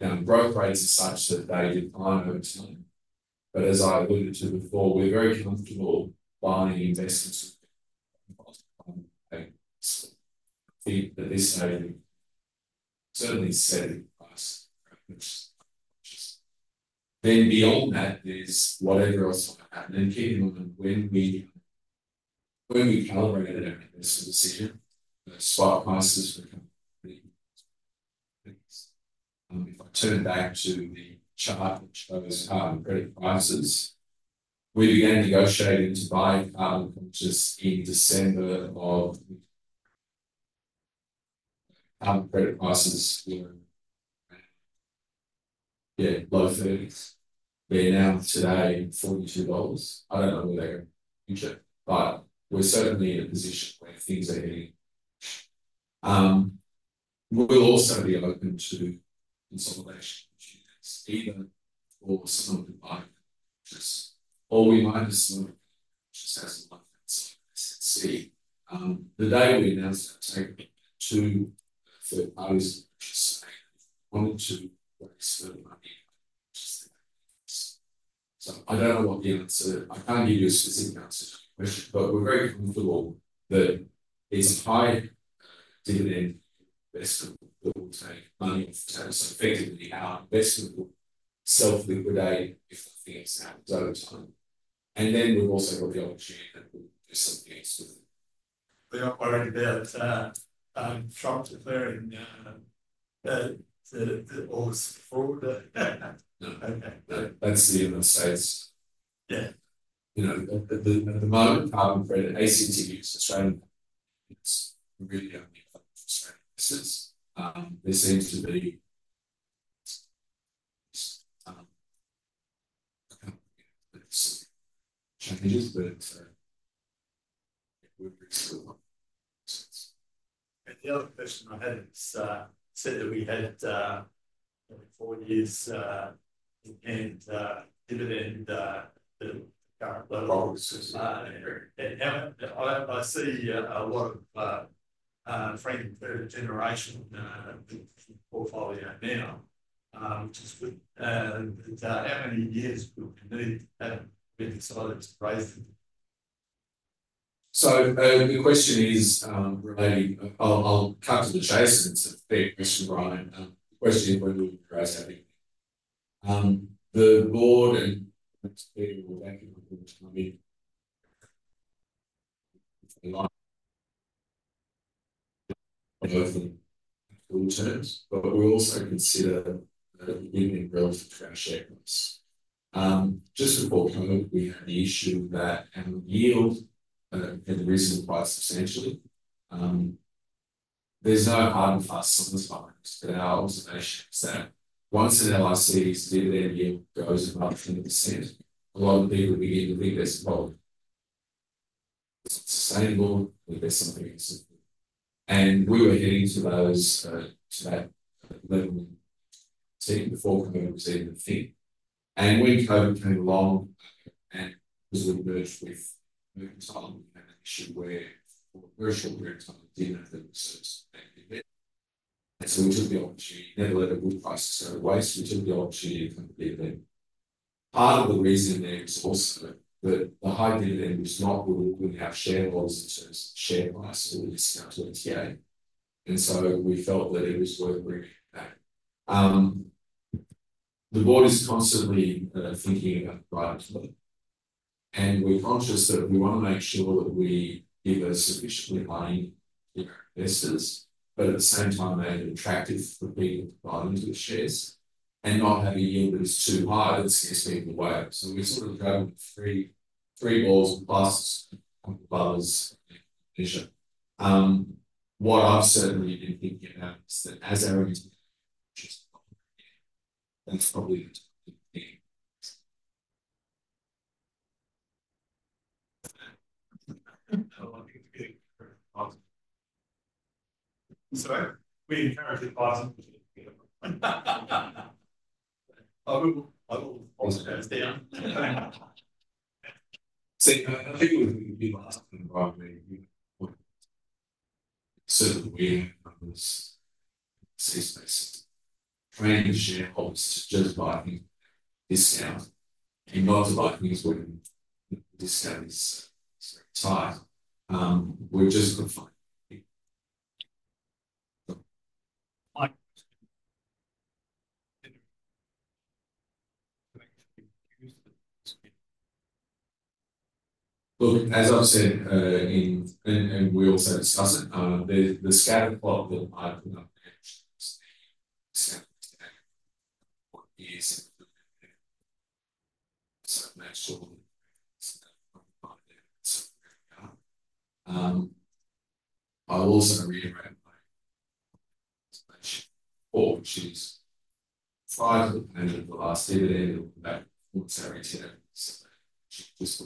Speaker 1: Now, growth rates are such that they decline over time, but as I alluded to before, we're very comfortable buying investments with carbon contracts at this stage, certainly setting price reference. Then beyond that, there's whatever else might happen, and keep in mind, when we calibrated our investment decision, spot prices were completely different. If I turn back to the chart that shows carbon credit prices, we began negotiating to buy carbon contracts in December, carbon credit prices were, yeah, low 30s. They're now today AUD 42. I don't know where they're going to be in the future, but we're certainly in a position where things are heading. We'll also be open to consolidation of units, either for some of the buying contracts, or we might just look at the contracts as a one-man size SNC. The day we announced our take-up to third parties in the purchase stage, we wanted to raise further money by purchasing that contract. So I don't know what the answer is. I can't give you a specific answer to your question, but we're very comfortable that it's a high dividend investment that will take money off the table, so effectively, our investment will self-liquidate if nothing else happens over time, and then we've also got the opportunity that we'll do something else with it.
Speaker 2: They're not worried about Trump declaring all the support?
Speaker 1: No. That's the United States.
Speaker 2: Yeah.
Speaker 1: At the moment, carbon credit ACCUs are Australian. It's really only a couple of Australian assets. There seems to be a couple of changes, but we're still on the assets.
Speaker 2: And the other question I had, it said that we had four years of dividends at the current level. I see a lot of friendly third-generation portfolio now. How many years would we need to have before we decide to raise them?
Speaker 1: So the question is related. I'll cut to the chase and it's a fair question, Brian. The question is when will you raise that dividend? The board and the people backing the board put money both in capital terms, but we also consider the dividend relative to our share price. Just before COVID, we had the issue that dividend yield had risen quite substantially. There's no hard and fast rules, but our observation is that once an LIC's dividend yield goes above 20%, a lot of people begin to think there's a problem. It's unsustainable. I think there's something else to do. We were heading to that level of thirty before COVID was even a thing. When COVID came along and because we merged with Mercantile, we had an issue where for a very short period of time, we didn't have the reserves to pay dividend. So we took the opportunity, never let a good crisis go to waste. We took the opportunity to cut the dividend. Part of the reason was also that the high dividend was not rewarding our shareholders in terms of share price or the discount to NTA. So we felt that it was worth bringing it back. The board is constantly thinking about the buyback flow, and we're conscious that we want to make sure that we give us sufficiently money to our investors, but at the same time, make it attractive for people to buy into the shares and not have a yield that is too high that scares people away, so we're sort of juggling three balls plus a couple of others in the measure. What I've certainly been thinking about is that as our interest grows, that's probably the target thing. Sorry?
Speaker 2: We encourage advising people. I will pause those down.
Speaker 1: See, I think it would be the last thing, Brian, that you would certainly weigh in on this safe space. Training shareholders to just buy at discount and not to buy when the discount is very tight. We're just confined. Look, as I've said, and we also discussed it, the scatter plot that I put up next is the scatter plot. What year's it? So make sure that we're in the right time frame and so we're going up. I'll also reiterate my recommendation for, which is try to manage the last dividend and look back once our NTA is submitted, which is just below 10%, and we're very pleased. We go into dividend looking at the next three years. It's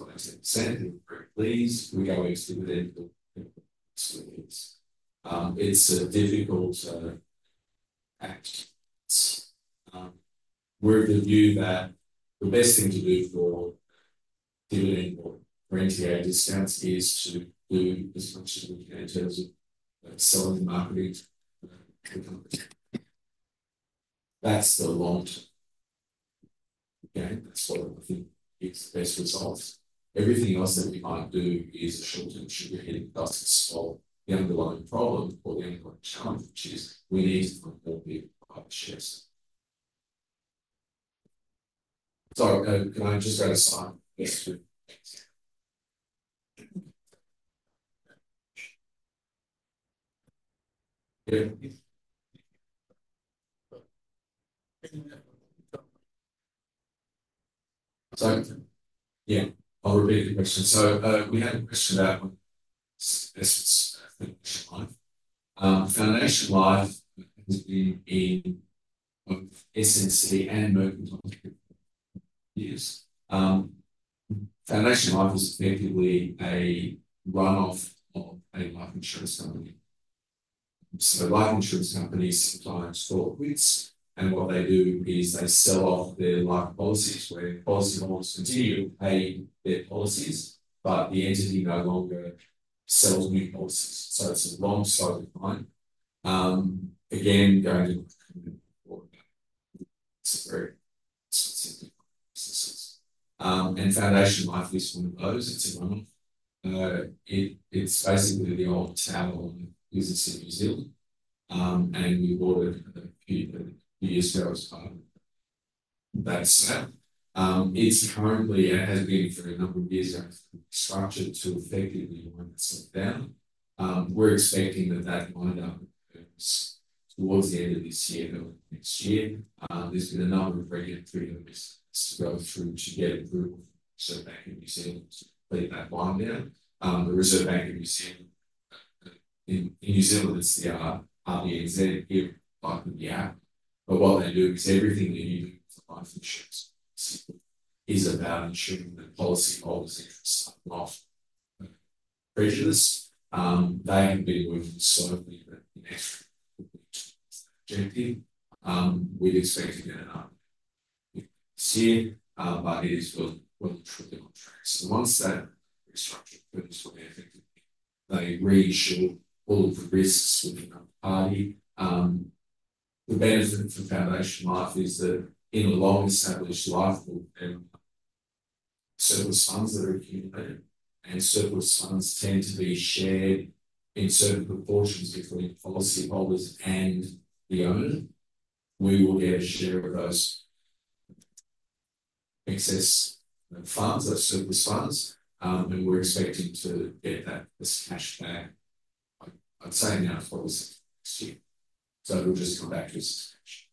Speaker 1: a difficult act. We're of the view that the best thing to do for dividend or for NTA discounts is to do as much as we can in terms of selling and marketing the company. That's the long-term gain. That's what I think gives the best results. Everything else that we can't do is a short-term sugar hit that doesn't solve the underlying problem or the underlying challenge, which is we need to find more people to buy the shares. Sorry, can I just go to Simon? Yes, please. Yeah. Yeah, I'll repeat the question. So we had a question about investments in Foundation Life. Foundation Life has been in both SNC and Mercantile. Foundation Life is effectively a run-off of a life insurance company. So life insurance companies sometimes call it Withs, and what they do is they sell off their life policies, where policyholders continue to pay their policies, but the entity no longer sells new policies. So it's a long-tail line. Again, going to support that, it's a very specific process. And Foundation Life is one of those. It's a run-off. It's basically the old Tower business in New Zealand, and we bought it a few years ago as part of that deal. It's currently, and has been for a number of years, structured to effectively wind that stuff down. We're expecting that that wind-up occurs towards the end of this year or next year. There's been a number of regulatory hurdles to go through to get approval from the Reserve Bank of New Zealand to complete that wind-up there. The Reserve Bank of New Zealand, in New Zealand, it's the RBNZ, part of the act. But what they do is everything they do to the insurance policies is about ensuring that policyholders' interests are not prejudiced. They have been working slowly over the next couple of weeks to achieve the objective. We'd expect to get an update this year, but it is worth noting the contracts. Once that restructured focus will be effective, they reassure all of the risks with another party. The benefit for Foundation Life is that in a long-established life will have surplus funds that are accumulated, and surplus funds tend to be shared in certain proportions between policyholders and the owner. We will get a share of those excess funds, those surplus funds, and we're expecting to get this cash back, I'd say, now towards the end of next year. We'll just come back to this discussion.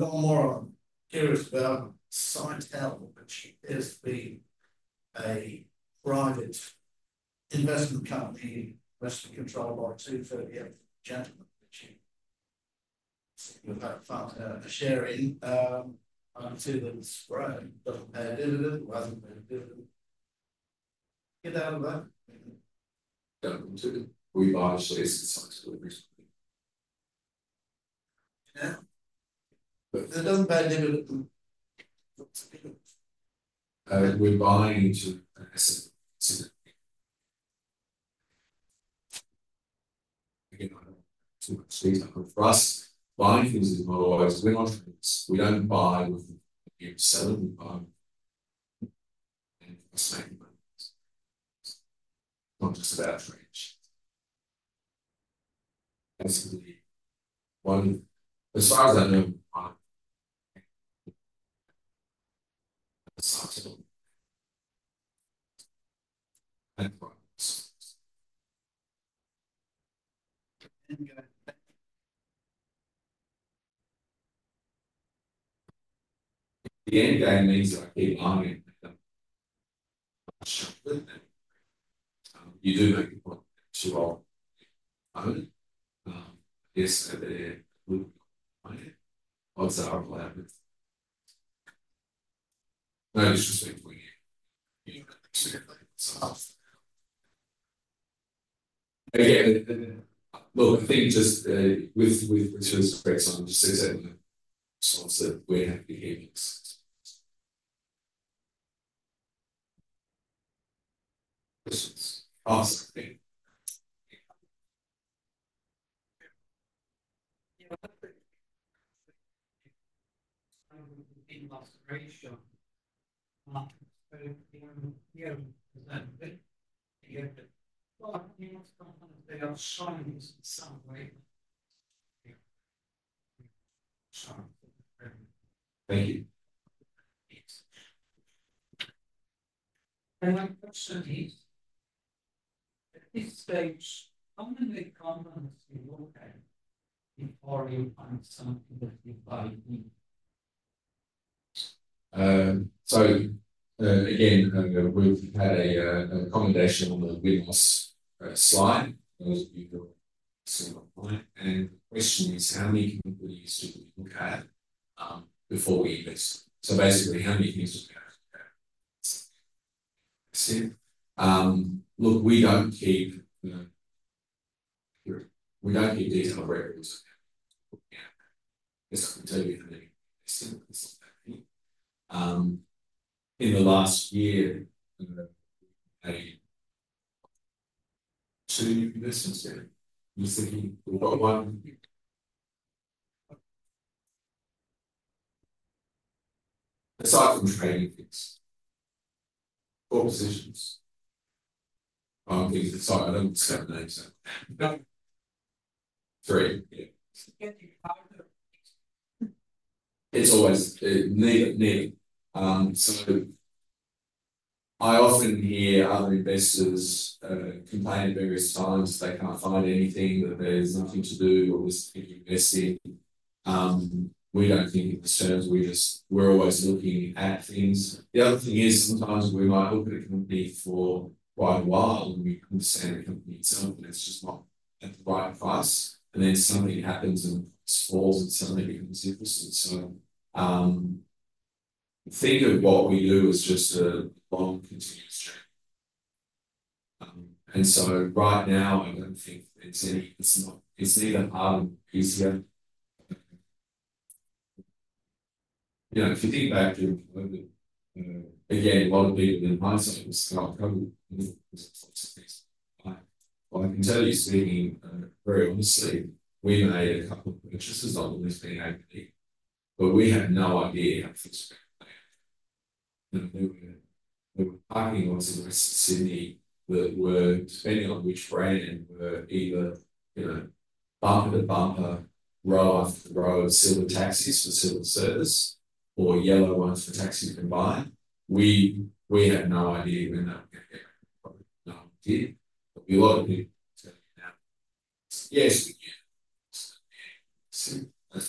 Speaker 2: One more I'm curious about, Cildara, which is a private investment company investment controlled by two 30-year-old gentlemen, which you've had a share in. I can see that it's grown, doesn't pay a dividend, it hasn't paid a dividend. Get out of that. Don't want to. We've obviously subsidized it recently. It doesn't pay a dividend.
Speaker 1: We're buying into an asset that's significant. Again, I don't want too much detail for us. Buying things is not always win-win trades. We don't buy with a view of selling. We buy with investment. It's not just about trading. Basically, as far as I know, I'm satisfied the end game means that I keep buying and I don't stop with them. You do make a point to own it. I guess at the end, I would buy it. What's the harmful output? No, just wait for a year. Again, look, I think just with the terms of trade, Simon just said in response that we're happy here with this as well.
Speaker 2: Awesome. Thank you, and my question is, at this stage, how many companies do you look at before you find something that you buy in?
Speaker 1: So again, we've had an commendation on the slide. Those of you who are still online, and the question is, how many companies do we look at before we invest? So basically, how many things do we have to look at? Look, we don't keep detailed records of that. It's up to you how many percent of this are buying. In the last year, we've had two investments there. You're thinking, "What one?" Aside from trading things, four positions. I don't want to scrap the names. Three. It's always neither, so I often hear other investors complain at various times that they can't find anything, that there's nothing to do, or this is too invested. We don't think in these terms. We're always looking at things. The other thing is, sometimes we might look at a company for quite a while, and we understand the company itself, and it's just not at the right price. And then something happens, and it falls, and suddenly it becomes interesting. So think of what we do as just a long, continuous journey. And so right now, I don't think it's neither harder nor easier. If you think back to COVID, again, a lot of people in my circles got COVID because of lots of things. But I can tell you, speaking very honestly, we made a couple of purchases on the list being A2B, but we had no idea how things were going to play out. There were parking lots in the rest of Sydney that were depending on which brand were either bumper-to-bumper, row after row of silver taxis for silver service, or yellow ones for taxis combined. We had no idea when that was going to happen. No idea. But we've got a lot of people telling you now. Yes, we can.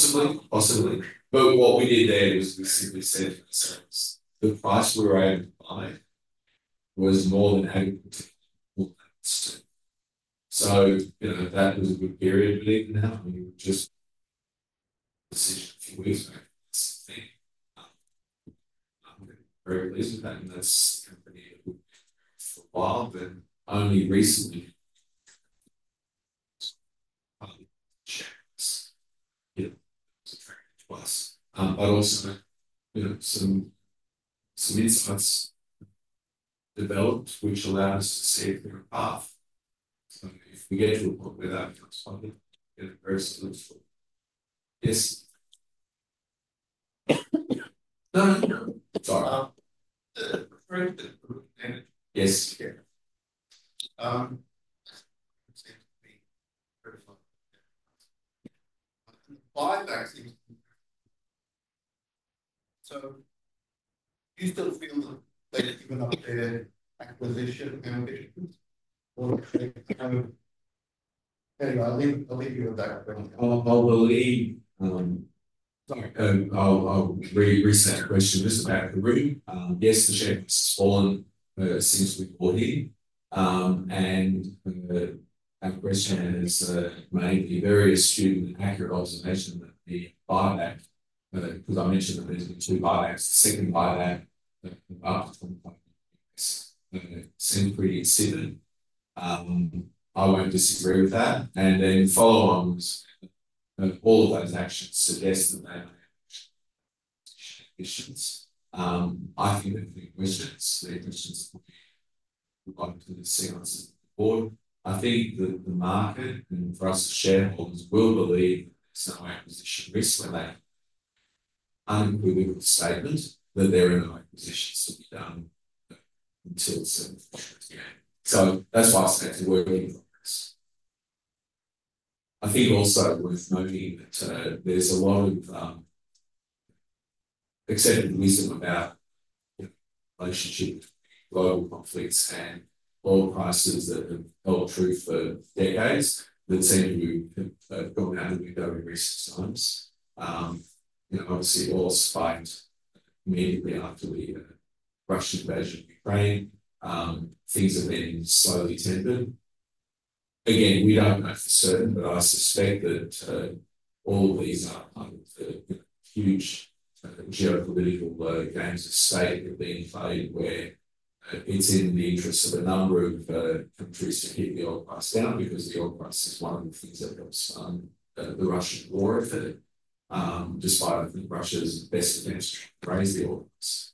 Speaker 1: Possibly. Possibly. But what we did there was we simply said to ourselves, "The price we were able to buy was more than adequate to pull that stock." So that was a good period believed in that. We were just deciding a few weeks back. That's the thing. I'm very pleased with that. And that's a company that we've known for a while, but only recently share price. That was a very good plus. But also some insights developed which allowed us to see a clearer path. So if we get to a point where that becomes public, it's very useful. Yes. Sorry. Yes, yeah.
Speaker 2: So do you still feel that you've been up there acquisition individually? Or I'll leave you with that question. I believe. Sorry. I'll reset the question. Just about three. Yes, the share price has fallen since we bought in. And the question is, is it a very astute and accurate observation that the buyback, because I mentioned that there's been two buybacks, the second buyback up to $25 million, seemed pretty incredible. I won't disagree with that. And then follow-ons, all of those actions suggest that they may have acquisition issues. I think they're pretty wise ones. Their questions have gotten to the C-suite board. I think that the market, and for us as shareholders, will believe that there's no acquisition risk when they are clear with the statement that there are no acquisitions to be done until a certain point again. So that's why I say it's a work in progress. I think it's also worth noting that there's a lot of accepted wisdom about relationships, global conflicts, and oil prices that have held true for decades that seem to have gone out of kilter at times. Obviously, oil spiked immediately after the Russian invasion of Ukraine. Things have been slowly tempered. Again, we don't know for certain, but I suspect that all of these are part of the huge geopolitical games of state that are being played where it's in the interest of a number of countries to keep the oil price down because the oil price is one of the things that helps fund the Russian war effort, despite I think Russia's best defense trying to raise the oil price.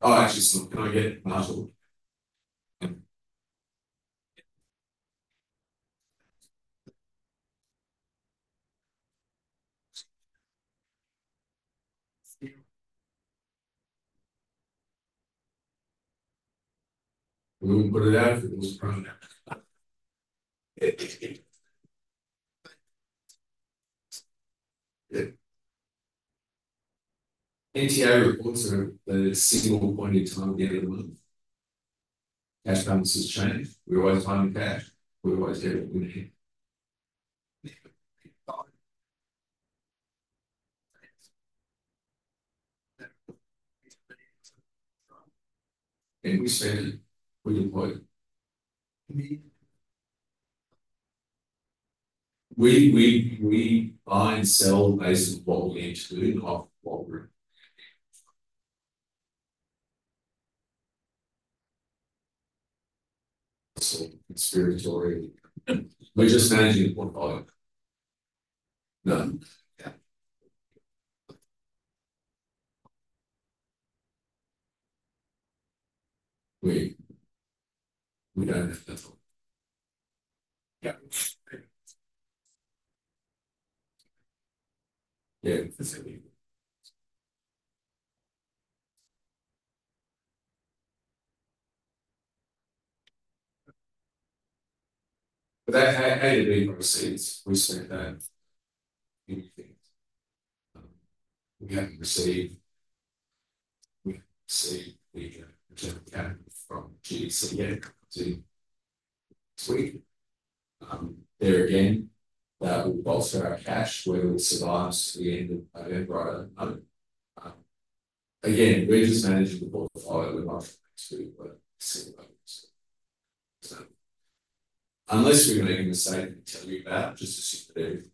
Speaker 2: Oh, actually, can I get Marshall? We wouldn't put it out if it wasn't running out. NTA reports that at a single point in time at the end of the month, cash balance has changed. We always find the cash. We always get what we need and we spend it. We deploy it. We buy and sell based on what we need to do and off of what we're in. Conservatively. We're just managing the portfolio. No. We don't have that one. Yeah. But they didn't even receive it. We spent that. We haven't received the return of capital from GDC yet to this week. There again, that will bolster our cash, whether it survives to the end of November or other than other. Again, we're just managing the portfolio with our friends who were still open to it. Unless we make a mistake and tell you about it, just assume that everything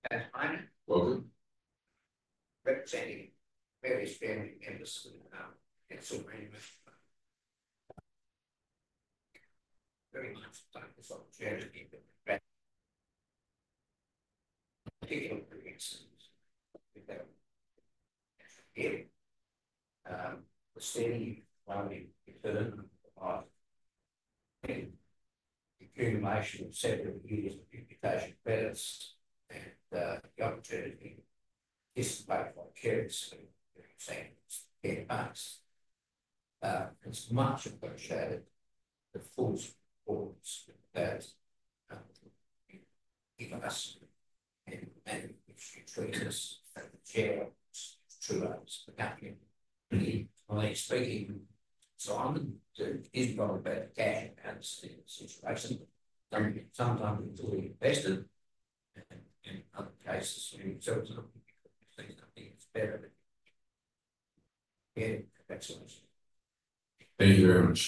Speaker 2: is in the balance. Welcome. Representing Mary's family members who have had so many with her. Very much appreciated the opportunity to be back. Particularly excited with that. For Steve, while we confirm the accumulation of several years of imputation credits and the opportunity to participate in the currency exchange in advance, it's much appreciated, the full support that you've given us and treated us as the Chair of the true owners of the company. I mean, speaking. So I'm involved about the cash balance in the situation. Sometimes we're fully invested, and in other cases, we need certain times we need to think something that's better. Yeah, excellent.
Speaker 1: Thank you very much.